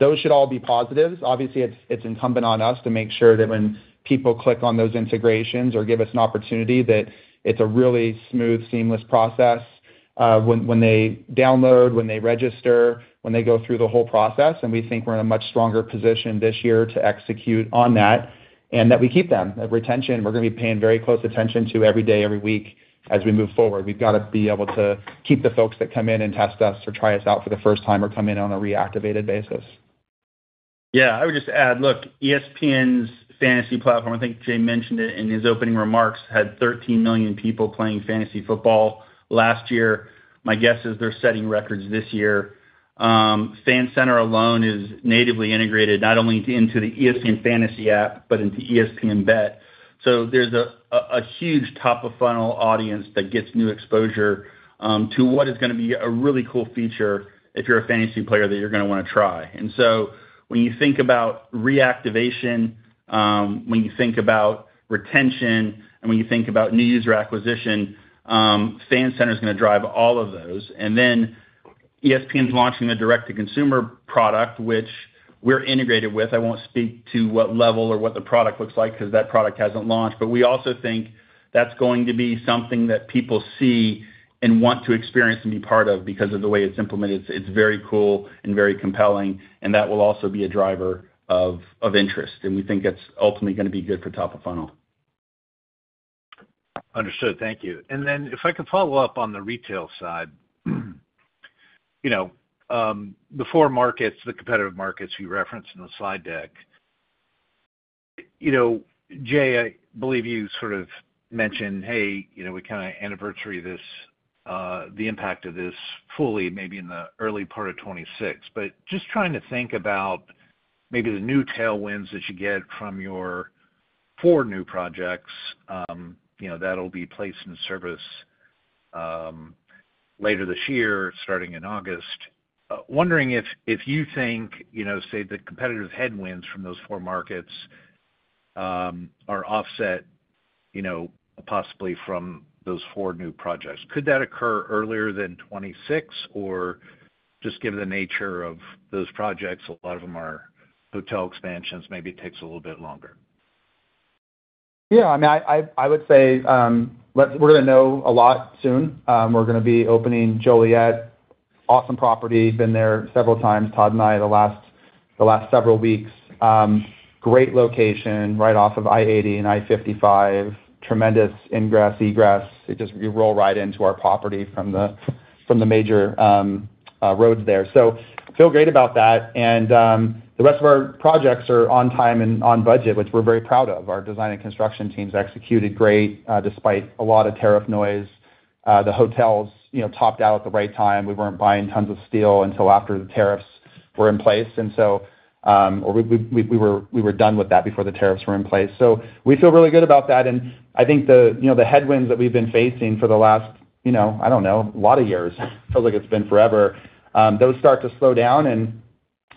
[SPEAKER 3] those should all be positives. Obviously, it's incumbent on us to make sure that when people click on those integrations or give us an opportunity, that it's a really smooth, seamless process when they download, when they register, when they go through the whole process. We think we're in a much stronger position this year to execute on that and that we keep them. The retention, we're going to be paying very close attention to every day, every week as we move forward. We've got to be able to keep the folks that come in and test us or try us out for the first time or come in on a reactivated basis.
[SPEAKER 8] Yeah, I would just add, look, ESPN's fantasy platform, I think Jay mentioned it in his opening remarks, had 13 million people playing fantasy football last year. My guess is they're setting records this year. Fancenter alone is natively integrated not only into the ESPN Fantasy app, but into ESPN Bet. There's a huge top of funnel audience that gets new exposure to what is going to be a really cool feature if you're a fantasy player that you're going to want to try. When you think about reactivation, when you think about retention, and when you think about new user acquisition, Fancenter is going to drive all of those. ESPN is launching a direct-to-consumer product, which we're integrated with. I won't speak to what level or what the product looks like because that product hasn't launched. We also think that's going to be something that people see and want to experience and be part of because of the way it's implemented. It's very cool and very compelling. That will also be a driver of interest. We think it's ultimately going to be good for top of funnel.
[SPEAKER 10] Understood. Thank you. If I could follow up on the retail side, the four markets, the competitive markets you referenced in the slide deck, Jay, I believe you sort of mentioned, hey, we kind of anniversary this, the impact of this fully maybe in the early part of 2026. Just trying to think about maybe the new tailwinds that you get from your four new projects that'll be placed in service later this year, starting in August. Wondering if you think, say the competitive headwinds from those four markets are offset, possibly from those four new projects. Could that occur earlier than 2026, or just given the nature of those projects, a lot of them are hotel expansions, maybe it takes a little bit longer?
[SPEAKER 3] Yeah, I mean, I would say we're going to know a lot soon. We're going to be opening Joliet. Awesome property. Been there several times, Todd and I, the last several weeks. Great location, right off of I-80 and I-55. Tremendous ingress, egress. You roll right into our property from the major roads there. Feel great about that. The rest of our projects are on time and on budget, which we're very proud of. Our design and construction teams executed great despite a lot of tariff noise. The hotels topped out at the right time. We weren't buying tons of steel until after the tariffs were in place, or we were done with that before the tariffs were in place. We feel really good about that. I think the headwinds that we've been facing for the last, I don't know, a lot of years, it feels like it's been forever. Those start to slow down.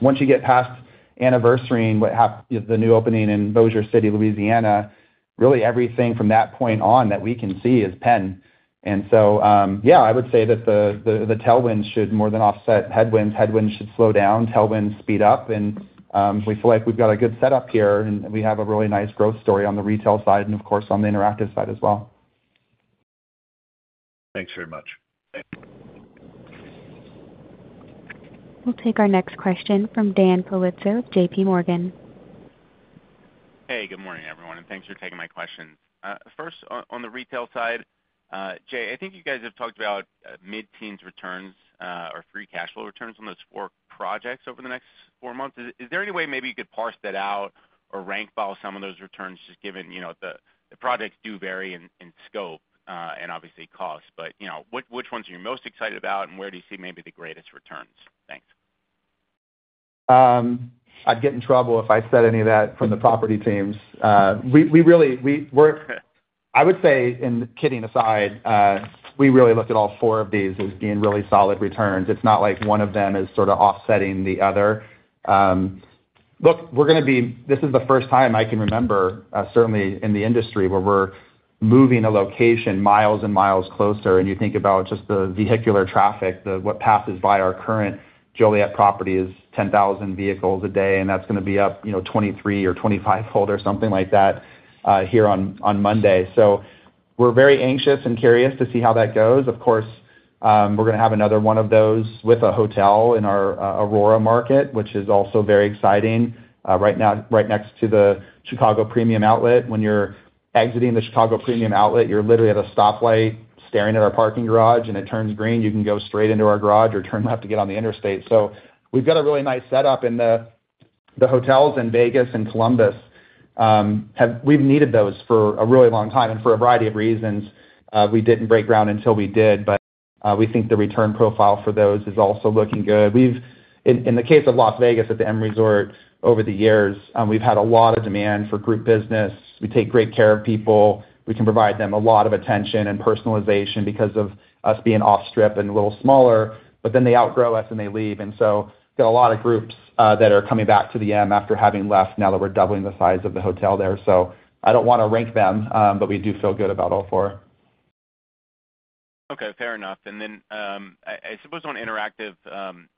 [SPEAKER 3] Once you get past anniversary and what happened, the new opening in Bossier City, Louisiana, really everything from that point on that we can see is PENN. I would say that the tailwinds should more than offset headwinds. Headwinds should slow down. Tailwinds speed up. We feel like we've got a good setup here. We have a really nice growth story on the retail side and, of course, on the interactive side as well.
[SPEAKER 10] Thanks very much.
[SPEAKER 1] We'll take our next question from Daniel Politzer of JPMorgan.
[SPEAKER 11] Hey, good morning, everyone, and thanks for taking my question. First, on the retail side, Jay, I think you guys have talked about mid-teens returns or free cash flow returns on those four projects over the next four months. Is there any way you could parse that out or rank by some of those returns, just given the projects do vary in scope and obviously cost, but which ones are you most excited about and where do you see the greatest returns? Thanks.
[SPEAKER 3] I'd get in trouble if I said any of that from the property teams. We really, we're, I would say, and kidding aside, we really look at all four of these as being really solid returns. It's not like one of them is sort of offsetting the other. Look, we are going to be, this is the first time I can remember, certainly in the industry, where we are moving a location miles and miles closer. You think about just the vehicular traffic, what passes by our current Joliet properties, 10,000 vehicles a day, and that is going to be up, you know, 23 or 25-fold or something like that here on Monday. We are very anxious and curious to see how that goes. Of course, we are going to have another one of those with a hotel in our Aurora market, which is also very exciting. Right now, right next to the Chicago Premium Outlet, when you are exiting the Chicago Premium Outlet, you are literally at a stoplight staring at our parking garage, and it turns green. You can go straight into our garage or turn left to get on the interstate. We have got a really nice setup, and the hotels in Vegas and Columbus, we have needed those for a really long time and for a variety of reasons. We did not break ground until we did, but we think the return profile for those is also looking good. In the case of Las Vegas at the M Resort, over the years, we have had a lot of demand for group business. We take great care of people. We can provide them a lot of attention and personalization because of us being off strip and a little smaller. They outgrow us and they leave. We have got a lot of groups that are coming back to the M after having left now that we are doubling the size of the hotel there. I do not want to rank them, but we do feel good about all four.
[SPEAKER 11] Okay, fair enough. I suppose on interactive,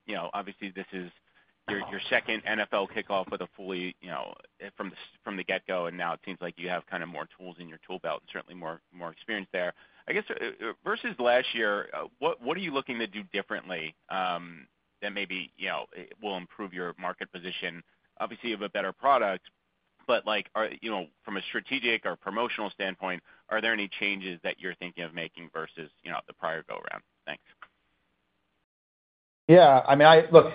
[SPEAKER 11] you know, obviously this is your second NFL kickoff with a fully, you know, from the get-go, and now it seems like you have kind of more tools in your tool belt, certainly more experience there. I guess versus last year, what are you looking to do differently that maybe, you know, will improve your market position? Obviously, you have a better product, but like, you know, from a strategic or promotional standpoint, are there any changes that you're thinking of making versus, you know, the prior go-around? Thanks.
[SPEAKER 3] Yeah, I mean, look,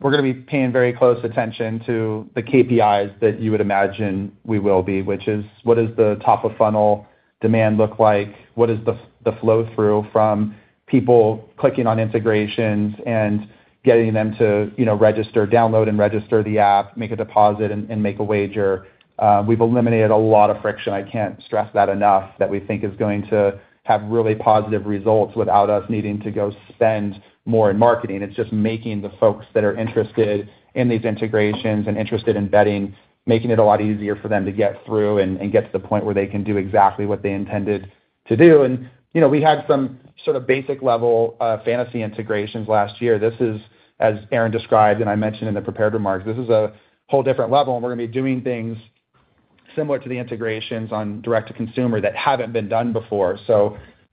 [SPEAKER 3] we're going to be paying very close attention to the KPIs that you would imagine we will be, which is what does the top of funnel demand look like? What is the flow-through from people clicking on integrations and getting them to, you know, register, download, and register the app, make a deposit, and make a wager? We've eliminated a lot of friction. I can't stress that enough that we think is going to have really positive results without us needing to go spend more in marketing. It's just making the folks that are interested in these integrations and interested in betting, making it a lot easier for them to get through and get to the point where they can do exactly what they intended to do. We had some sort of basic level fantasy integrations last year. This is, as Aaron described and I mentioned in the prepared remarks, this is a whole different level. We're going to be doing things similar to the integrations on direct-to-consumer that haven't been done before.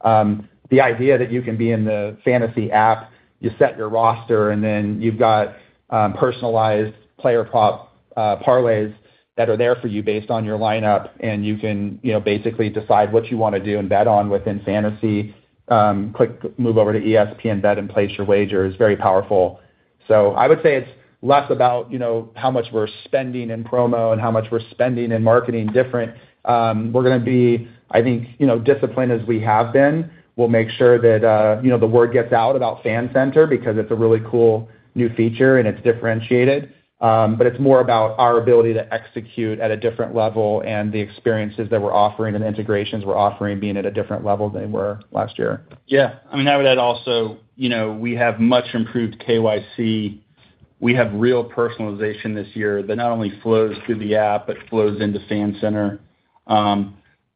[SPEAKER 3] The idea that you can be in the fantasy app, you set your roster, and then you've got personalized player parlays that are there for you based on your lineup. You can basically decide what you want to do and bet on within fantasy. Click, move over to ESPN Bet and place your wagers. Very powerful. I would say it's less about how much we're spending in promo and how much we're spending in marketing different. We're going to be, I think, disciplined as we have been. We'll make sure that the word gets out about Fancenter because it's a really cool new feature and it's differentiated. It's more about our ability to execute at a different level and the experiences that we're offering and the integrations we're offering being at a different level than they were last year. I mean, I would add also, we have much improved KYC. We have real personalization this year that not only flows through the app but flows into Fancenter.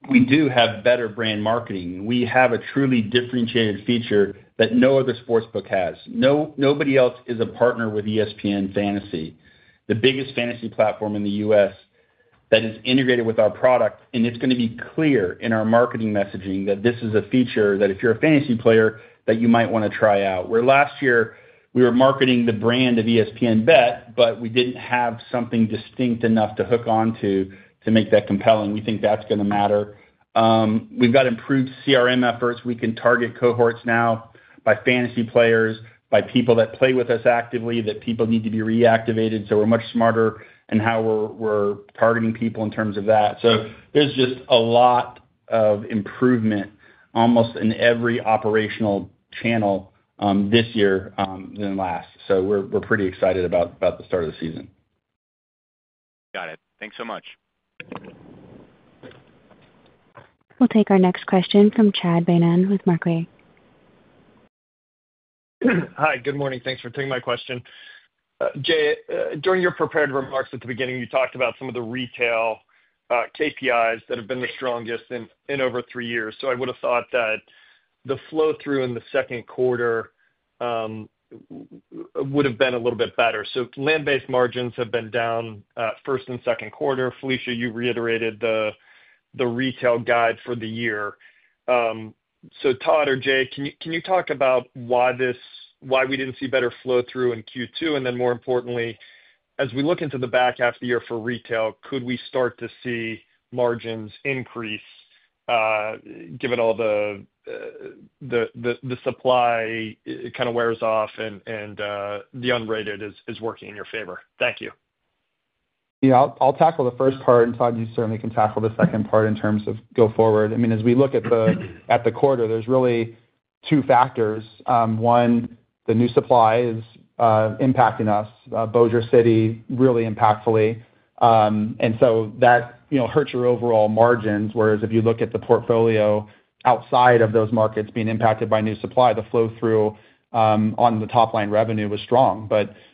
[SPEAKER 3] We do have better brand marketing. We have a truly differentiated feature that no other sportsbook has. Nobody else is a partner with ESPN Fantasy, the biggest fantasy platform in the U.S. that is integrated with our product. It's going to be clear in our marketing messaging that this is a feature that if you're a fantasy player, that you might want to try out. Where last year we were marketing the brand of ESPN Bet, but we didn't have something distinct enough to hook onto to make that compelling. We think that's going to matter. We've got improved CRM efforts. We can target cohorts now by fantasy players, by people that play with us actively, that people need to be reactivated. We're much smarter in how we're targeting people in terms of that. There's just a lot of improvement almost in every operational channel this year than last. We're pretty excited about the start of the season.
[SPEAKER 11] Got it. Thanks so much.
[SPEAKER 1] We'll take our next question from Chad Beynon with Macquarie.
[SPEAKER 12] Hi, good morning. Thanks for taking my question. Jay, during your prepared remarks at the beginning, you talked about some of the retail KPIs that have been the strongest in over three years. I would have thought that the flow-through in the second quarter would have been a little bit better. Land-based margins have been down first and second quarter. Felicia, you reiterated the retail guide for the year. Todd or Jay, can you talk about why we didn't see better flow-through in Q2? More importantly, as we look into the back half of the year for retail, could we start to see margins increase given all the supply kind of wears off and the unrated is working in your favor? Thank you.
[SPEAKER 3] Yeah, I'll tackle the first part, and Todd, you certainly can tackle the second part in terms of go forward. As we look at the quarter, there's really two factors. One, the new supply is impacting us, Bossier City, really impactfully. That hurts your overall margins. If you look at the portfolio outside of those markets being impacted by new supply, the flow-through on the top line revenue was strong.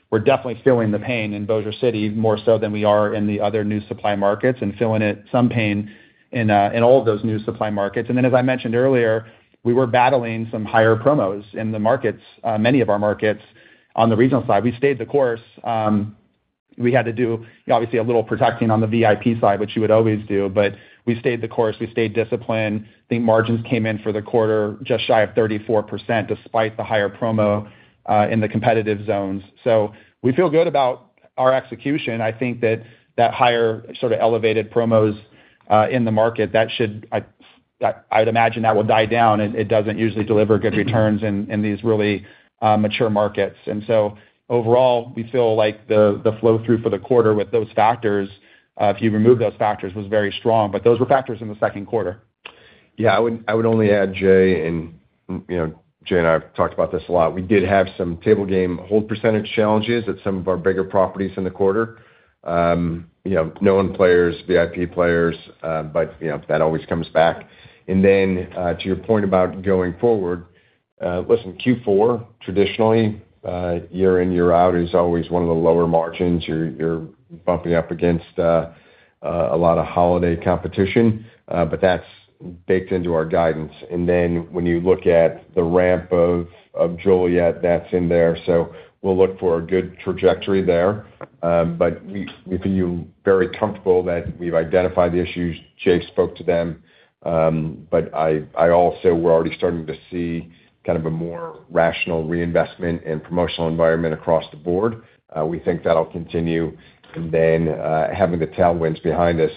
[SPEAKER 3] We're definitely feeling the pain in Bossier City more so than we are in the other new supply markets and feeling some pain in all of those new supply markets. As I mentioned earlier, we were battling some higher promos in the markets, many of our markets on the regional side. We stayed the course. We had to do, obviously, a little protecting on the VIP side, which you would always do. We stayed the course. We stayed disciplined. I think margins came in for the quarter just shy of 34% despite the higher promo in the competitive zones. We feel good about our execution. I think that higher sort of elevated promos in the market, that should, I would imagine that will die down. It doesn't usually deliver good returns in these really mature markets. Overall, we feel like the flow-through for the quarter with those factors, if you remove those factors, was very strong. Those were factors in the second quarter.
[SPEAKER 6] Yeah, I would only add, Jay, and you know, Jay and I have talked about this a lot. We did have some table game hold percent challenges at some of our bigger properties in the quarter. You know, known players, VIP players, but you know, that always comes back. To your point about going forward, listen, Q4, traditionally, year in, year out, is always one of the lower margins. You're bumping up against a lot of holiday competition. That's baked into our guidance. When you look at the ramp of Joliet, that's in there. We'll look for a good trajectory there. We feel very comfortable that we've identified the issues. Jay spoke to them. We're already starting to see kind of a more rational reinvestment in the promotional environment across the board. We think that'll continue. Having the tailwinds behind us,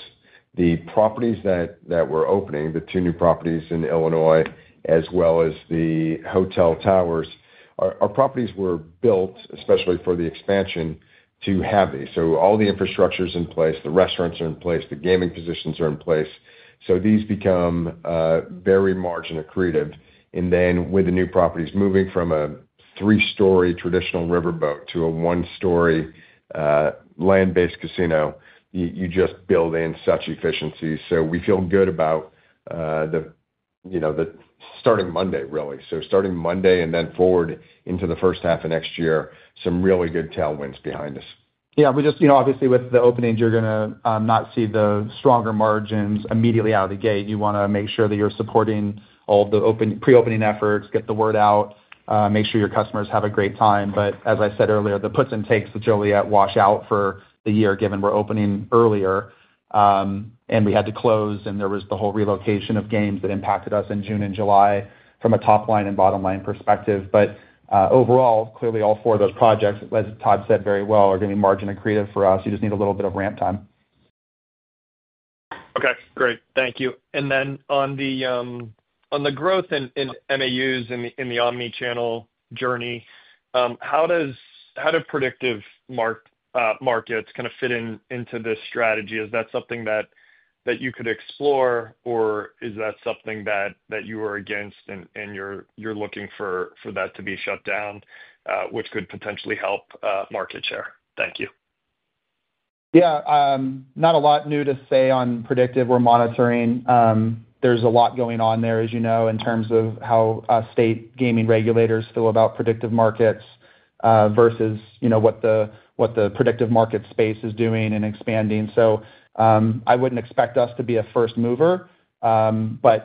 [SPEAKER 6] the properties that we're opening, the two new properties in Illinois, as well as the hotel towers, our properties were built, especially for the expansion, to have these. All the infrastructure is in place. The restaurants are in place. The gaming positions are in place. These become very margin-accretive. With the new properties moving from a three-story traditional riverboat to a one-story land-based casino, you just build in such efficiency. We feel good about the, you know, the starting Monday, really. Starting Monday and then forward into the first half of next year, some really good tailwinds behind us.
[SPEAKER 3] Yeah, obviously with the openings, you're going to not see the stronger margins immediately out of the gate. You want to make sure that you're supporting all the pre-opening efforts, get the word out, make sure your customers have a great time. As I said earlier, the puts and takes with Joliet wash out for the year, given we're opening earlier. We had to close, and there was the whole relocation of games that impacted us in June and July from a top line and bottom line perspective. Overall, clearly all four of those projects, as Todd said very well, are going to be margin accretive for us. You just need a little bit of ramp time.
[SPEAKER 12] Okay, great. Thank you. On the growth in MAUs in the omnichannel journey, how do predictive markets kind of fit into this strategy? Is that something that you could explore, or is that something that you are against and you're looking for that to be shut down, which could potentially help market share? Thank you.
[SPEAKER 3] Yeah, not a lot new to say on predictive. We're monitoring. There's a lot going on there, as you know, in terms of how state gaming regulators feel about predictive markets versus what the predictive market space is doing and expanding. I wouldn't expect us to be a first mover. If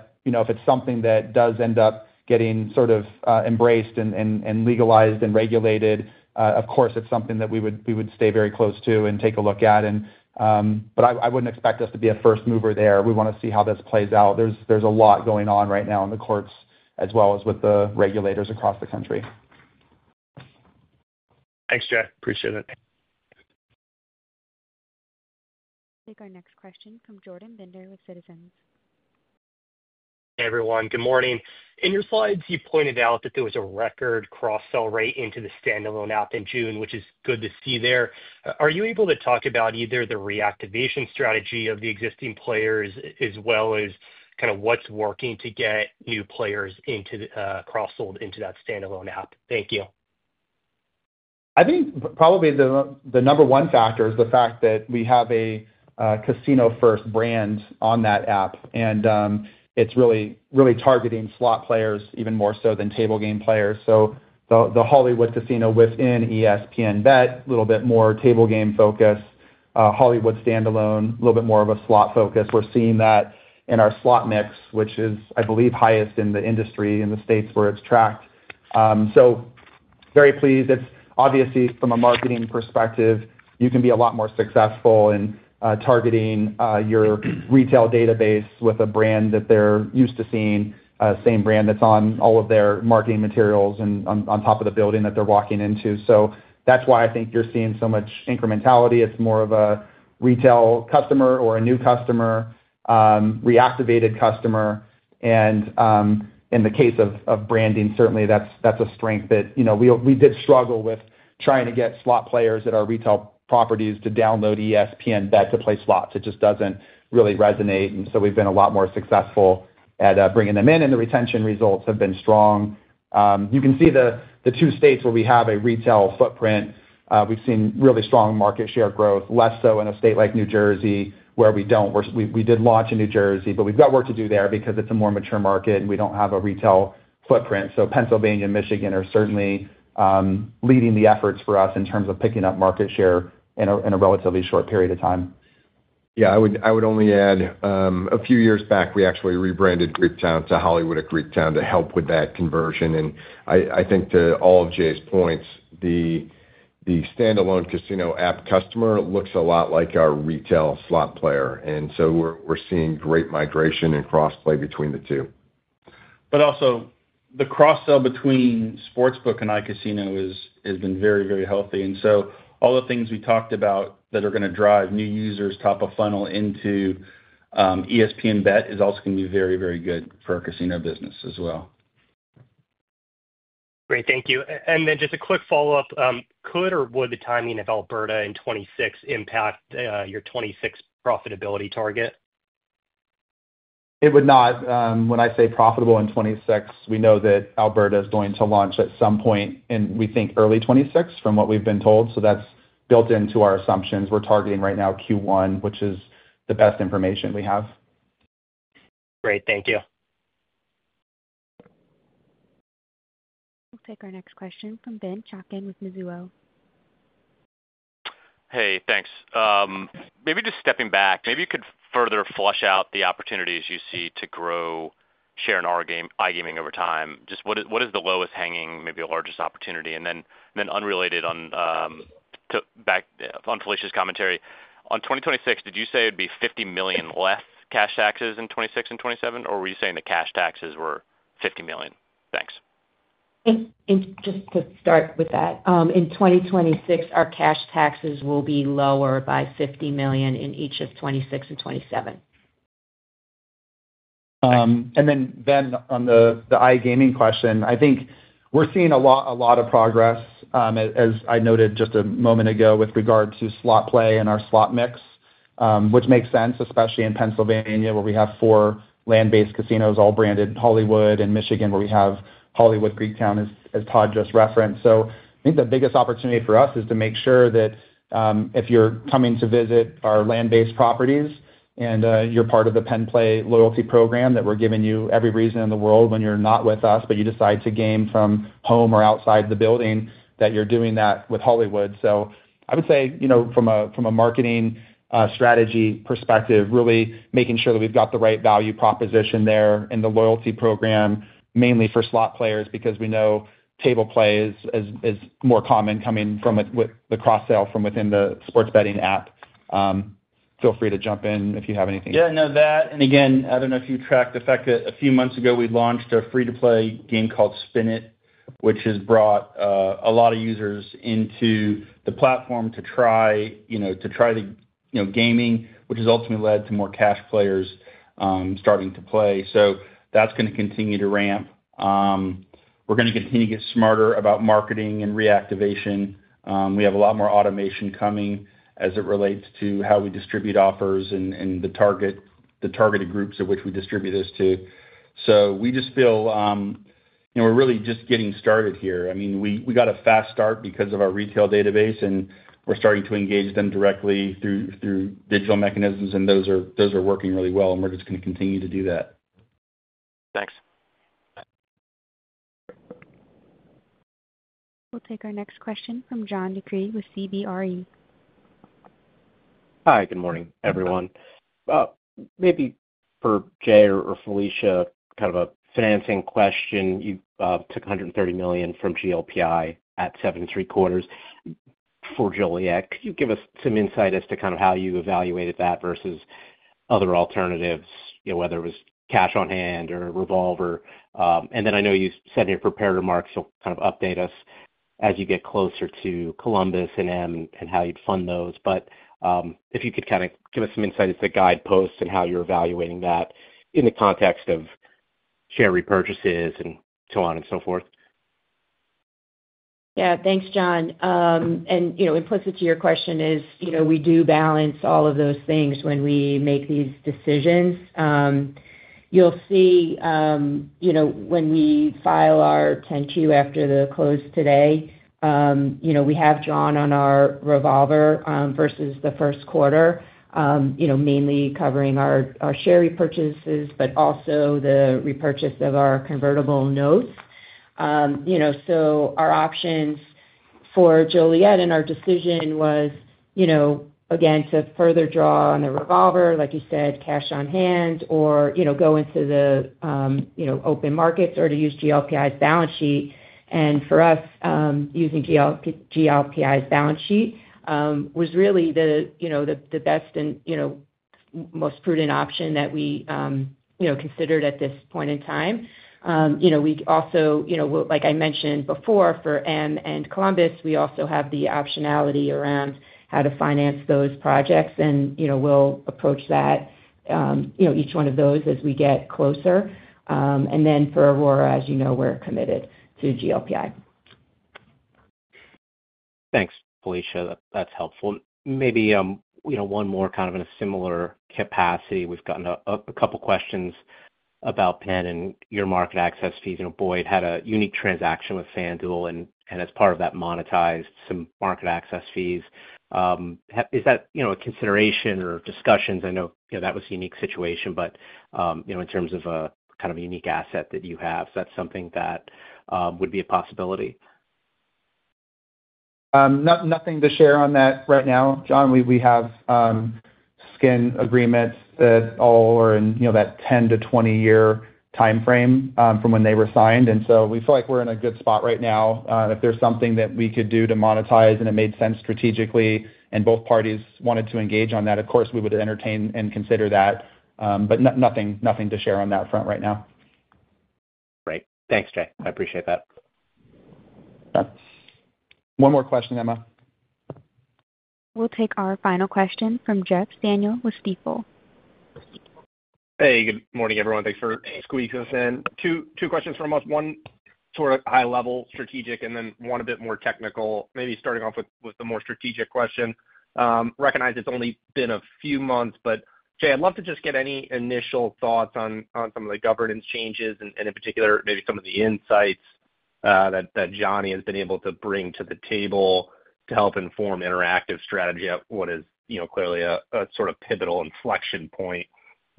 [SPEAKER 3] it's something that does end up getting sort of embraced and legalized and regulated, of course, it's something that we would stay very close to and take a look at. I wouldn't expect us to be a first mover there. We want to see how this plays out. There's a lot going on right now in the courts as well as with the regulators across the country.
[SPEAKER 12] Thanks, Jay. Appreciate it.
[SPEAKER 1] Take our next question from Jordan Bender with Citizens.
[SPEAKER 13] Hey, everyone. Good morning. In your slides, you pointed out that there was a record cross-sell rate into the standalone app in June, which is good to see. Are you able to talk about either the reactivation strategy of the existing players as well as what's working to get new players cross-sold into that standalone app? Thank you.
[SPEAKER 3] I think probably the number one factor is the fact that we have a casino-first brand on that app. It's really, really targeting slot players even more so than table game players. The Hollywood Casino within ESPN Bet, a little bit more table game focus, Hollywood standalone, a little bit more of a slot focus. We're seeing that in our slot mix, which is, I believe, highest in the industry in the states where it's tracked. Very pleased. Obviously, from a marketing perspective, you can be a lot more successful in targeting your retail database with a brand that they're used to seeing, same brand that's on all of their marketing materials and on top of the building that they're walking into. That's why I think you're seeing so much incrementality. It's more of a retail customer or a new customer, reactivated customer. In the case of branding, certainly that's a strength that, you know, we did struggle with trying to get slot players at our retail properties to download ESPN Bet to play slots. It just doesn't really resonate. We've been a lot more successful at bringing them in, and the retention results have been strong. You can see the two states where we have a retail footprint. We've seen really strong market share growth, less so in a state like New Jersey, where we don't. We did launch in New Jersey, but we've got work to do there because it's a more mature market and we don't have a retail footprint. Pennsylvania and Michigan are certainly leading the efforts for us in terms of picking up market share in a relatively short period of time.
[SPEAKER 6] Yeah, I would only add a few years back, we actually rebranded Greektown to Hollywood at Greektown to help with that conversion. I think to all of Jay's points, the standalone casino app customer looks a lot like our retail slot player, and we're seeing great migration and cross-play between the two.
[SPEAKER 3] The cross-sell between Sportsbook and iCasino has been very, very healthy. All the things we talked about that are going to drive new users top of funnel into ESPN Bet is also going to be very, very good for our casino business as well.
[SPEAKER 13] Great, thank you. Just a quick follow-up. Could or would the timing of Alberta in 2026 impact your 2026 profitability target?
[SPEAKER 3] It would not. When I say profitable in 2026, we know that Alberta is going to launch at some point in, we think, early 2026 from what we've been told. That's built into our assumptions. We're targeting right now Q1, which is the best information we have.
[SPEAKER 13] Great, thank you.
[SPEAKER 1] We'll take our next question from Ben Chaiken with Mizuho.
[SPEAKER 14] Hey, thanks. Maybe just stepping back, maybe you could further flesh out the opportunities you see to grow share in iGaming over time. What is the lowest hanging, maybe the largest opportunity? Unrelated, back on Felicia's commentary on 2026, did you say it'd be $50 million less cash taxes in 2026 and 2027, or were you saying the cash taxes were $50 million? Thanks.
[SPEAKER 4] In 2026, our cash taxes will be lower by $50 million in each of 2026 and 2027.
[SPEAKER 3] Ben, on the iGaming question, I think we're seeing a lot of progress, as I noted just a moment ago, with regard to slot play and our slot mix, which makes sense, especially in Pennsylvania, where we have four land-based casinos, all branded Hollywood, and Michigan, where we have Hollywood Greektown, as Todd just referenced. I think the biggest opportunity for us is to make sure that if you're coming to visit our land-based properties and you're part of the Penn Play loyalty program, we're giving you every reason in the world when you're not with us, but you decide to game from home or outside the building, that you're doing that with Hollywood. I would say, from a marketing strategy perspective, really making sure that we've got the right value proposition there in the loyalty program, mainly for slot players, because we know table play is more common coming from the cross-sell from within the sports betting app. Feel free to jump in if you have anything.
[SPEAKER 8] Yeah, I don't know if you tracked the fact that a few months ago we launched a free-to-play game called Spin It, which has brought a lot of users into the platform to try the gaming, which has ultimately led to more cash players starting to play. That is going to continue to ramp. We are going to continue to get smarter about marketing and reactivation. We have a lot more automation coming as it relates to how we distribute offers and the targeted groups of which we distribute this to. We just feel we are really just getting started here. I mean, we got a fast start because of our retail database, and we are starting to engage them directly through digital mechanisms, and those are working really well, and we are just going to continue to do that.
[SPEAKER 14] Thanks.
[SPEAKER 1] We'll take our next question from John DeCree with CBRE.
[SPEAKER 15] Hi, good morning, everyone. Maybe for Jay or Felicia, kind of a financing question. You took $130 million from GLPI at 7.75% for Joliet. Could you give us some insight as to kind of how you evaluated that versus other alternatives, you know, whether it was cash on hand or revolver? I know you said in your prepared remarks, you'll kind of update us as you get closer to Columbus and M and how you'd fund those. If you could kind of give us some insight into the guideposts and how you're evaluating that in the context of share repurchases and so on and so forth.
[SPEAKER 4] Yeah, thanks, John. Implicit to your question is, we do balance all of those things when we make these decisions. You'll see when we file our 10-Q after the close today, we have drawn on our revolver versus the First Quarter, mainly covering our share repurchases, but also the repurchase of our convertible notes. Our options for Joliet and our decision was, again, to further draw on the revolver, like you said, cash on hand, or go into the open markets or to use GLPI's balance sheet. For us, using GLPI's balance sheet was really the best and most prudent option that we considered at this point in time. We also, like I mentioned before, for M and Columbus, we also have the optionality around how to finance those projects. We'll approach each one of those as we get closer. For Aurora, as you know, we're committed to GLPI.
[SPEAKER 15] Thanks, Felicia. That's helpful. Maybe one more kind of in a similar capacity. We've gotten a couple of questions about PENN and your market access fees. Boyd had a unique transaction with FanDuel and as part of that monetized some market access fees. Is that a consideration or discussions? I know that was a unique situation, but in terms of a kind of a unique asset that you have, is that something that would be a possibility?
[SPEAKER 3] Nothing to share on that right now, John. We have skin agreements that all are in that 10 to 20-year timeframe from when they were signed, and we feel like we're in a good spot right now. If there's something that we could do to monetize and it made sense strategically and both parties wanted to engage on that, of course, we would entertain and consider that. Nothing to share on that front right now.
[SPEAKER 15] Great. Thanks, Jay. I appreciate that.
[SPEAKER 3] One more question, Emma.
[SPEAKER 1] We'll take our final question from Jeff Stantial with Stifel.
[SPEAKER 16] Hey, good morning, everyone. Thanks for squeezing us in. Two questions from us. One sort of high-level strategic and then one a bit more technical, maybe starting off with the more strategic question. Recognize it's only been a few months, but Jay, I'd love to just get any initial thoughts on some of the governance changes and in particular maybe some of the insights that Johnny has been able to bring to the table to help inform interactive strategy at what is, you know, clearly a sort of pivotal inflection point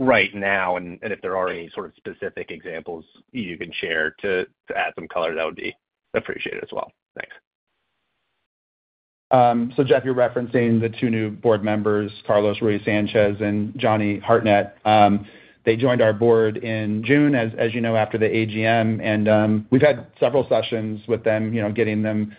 [SPEAKER 16] right now. If there are any sort of specific examples you can share to add some color, that would be appreciated as well. Thanks.
[SPEAKER 3] You're referencing the two new board members, Carlos Ruiz-Sanchez and Johnny Hartnett. They joined our board in June, as you know, after the AGM. We've had several sessions with them, getting them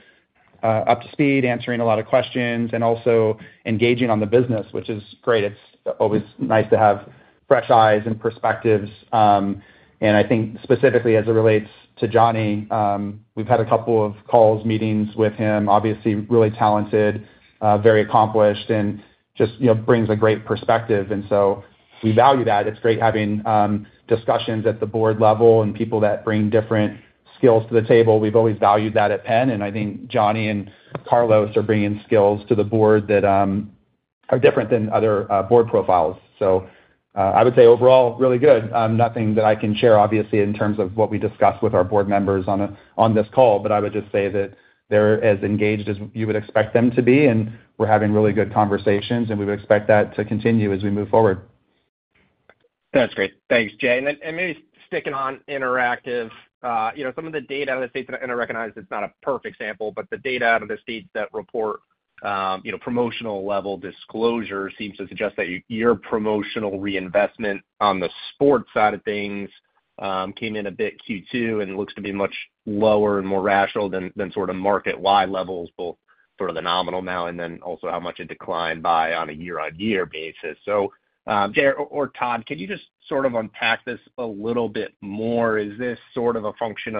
[SPEAKER 3] up to speed, answering a lot of questions, and also engaging on the business, which is great. It's always nice to have fresh eyes and perspectives. I think specifically as it relates to Johnny, we've had a couple of calls, meetings with him. Obviously, really talented, very accomplished, and just brings a great perspective. We value that. It's great having discussions at the board level and people that bring different skills to the table. We've always valued that at PENN. I think Johnny and Carlos are bringing skills to the board that are different than other board profiles. I would say overall really good. Nothing that I can share, obviously, in terms of what we discussed with our board members on this call. I would just say that they're as engaged as you would expect them to be. We're having really good conversations. We would expect that to continue as we move forward.
[SPEAKER 16] That's great. Thanks, Jay. Maybe sticking on interactive, some of the data in the states that are inter-recognized, it's not a perfect example, but the data out of the states that report promotional level disclosure seems to suggest that your promotional reinvestment on the sports side of things came in a bit Q2 and looks to be much lower and more rational than sort of market-wide levels, both the nominal now and also how much it declined by on a year-on-year basis. Jay or Todd, can you just unpack this a little bit more? Is this a function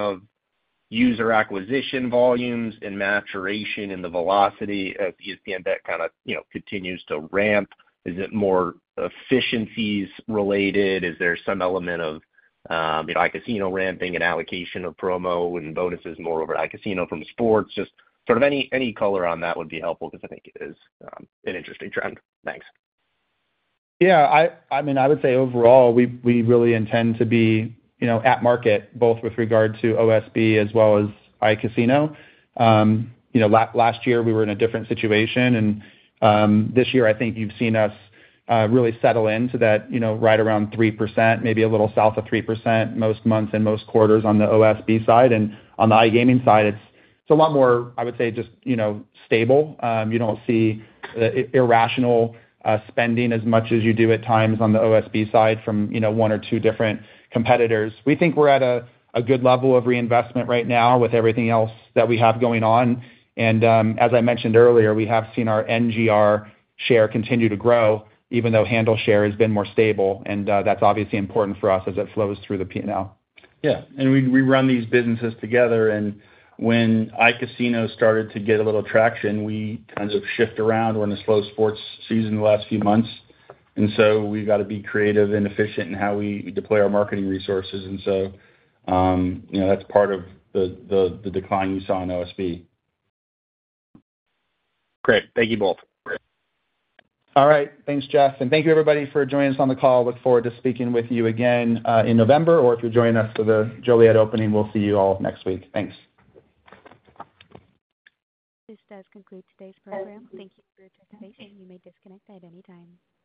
[SPEAKER 16] of user acquisition volumes and maturation in the velocity as ESPN Bet kind of continues to ramp? Is it more efficiencies related? Is there some element of iCasino ramping and allocation of promo and bonuses more over to iCasino from sports? Any color on that would be helpful because I think it is an interesting trend. Thanks.
[SPEAKER 3] Yeah, I mean, I would say overall we really intend to be, you know, at market both with regard to OSB as well as iCasino. Last year we were in a different situation. This year, I think you've seen us really settle into that, you know, right around 3%, maybe a little south of 3% most months and most quarters on the OSB side. On the iCasino side, it's a lot more, I would say, just, you know, stable. You don't see the irrational spending as much as you do at times on the OSB side from, you know, one or two different competitors. We think we're at a good level of reinvestment right now with everything else that we have going on. As I mentioned earlier, we have seen our NGR share continue to grow, even though handle share has been more stable. That's obviously important for us as it flows through the P&L.
[SPEAKER 8] Yeah, we run these businesses together. When iCasino started to get a little traction, we kind of shift around during the slow sports season the last few months. We have to be creative and efficient in how we deploy our marketing resources. That is part of the decline you saw in OSB.
[SPEAKER 16] Great. Thank you both.
[SPEAKER 3] All right. Thanks, Jeff. Thank you, everybody, for joining us on the call. Look forward to speaking with you again in. Remember, If you join us for the Joliet opening, we'll see you all next week. Thanks.
[SPEAKER 1] This does conclude today's program. Thank you for your participation. You may disconnect at any time.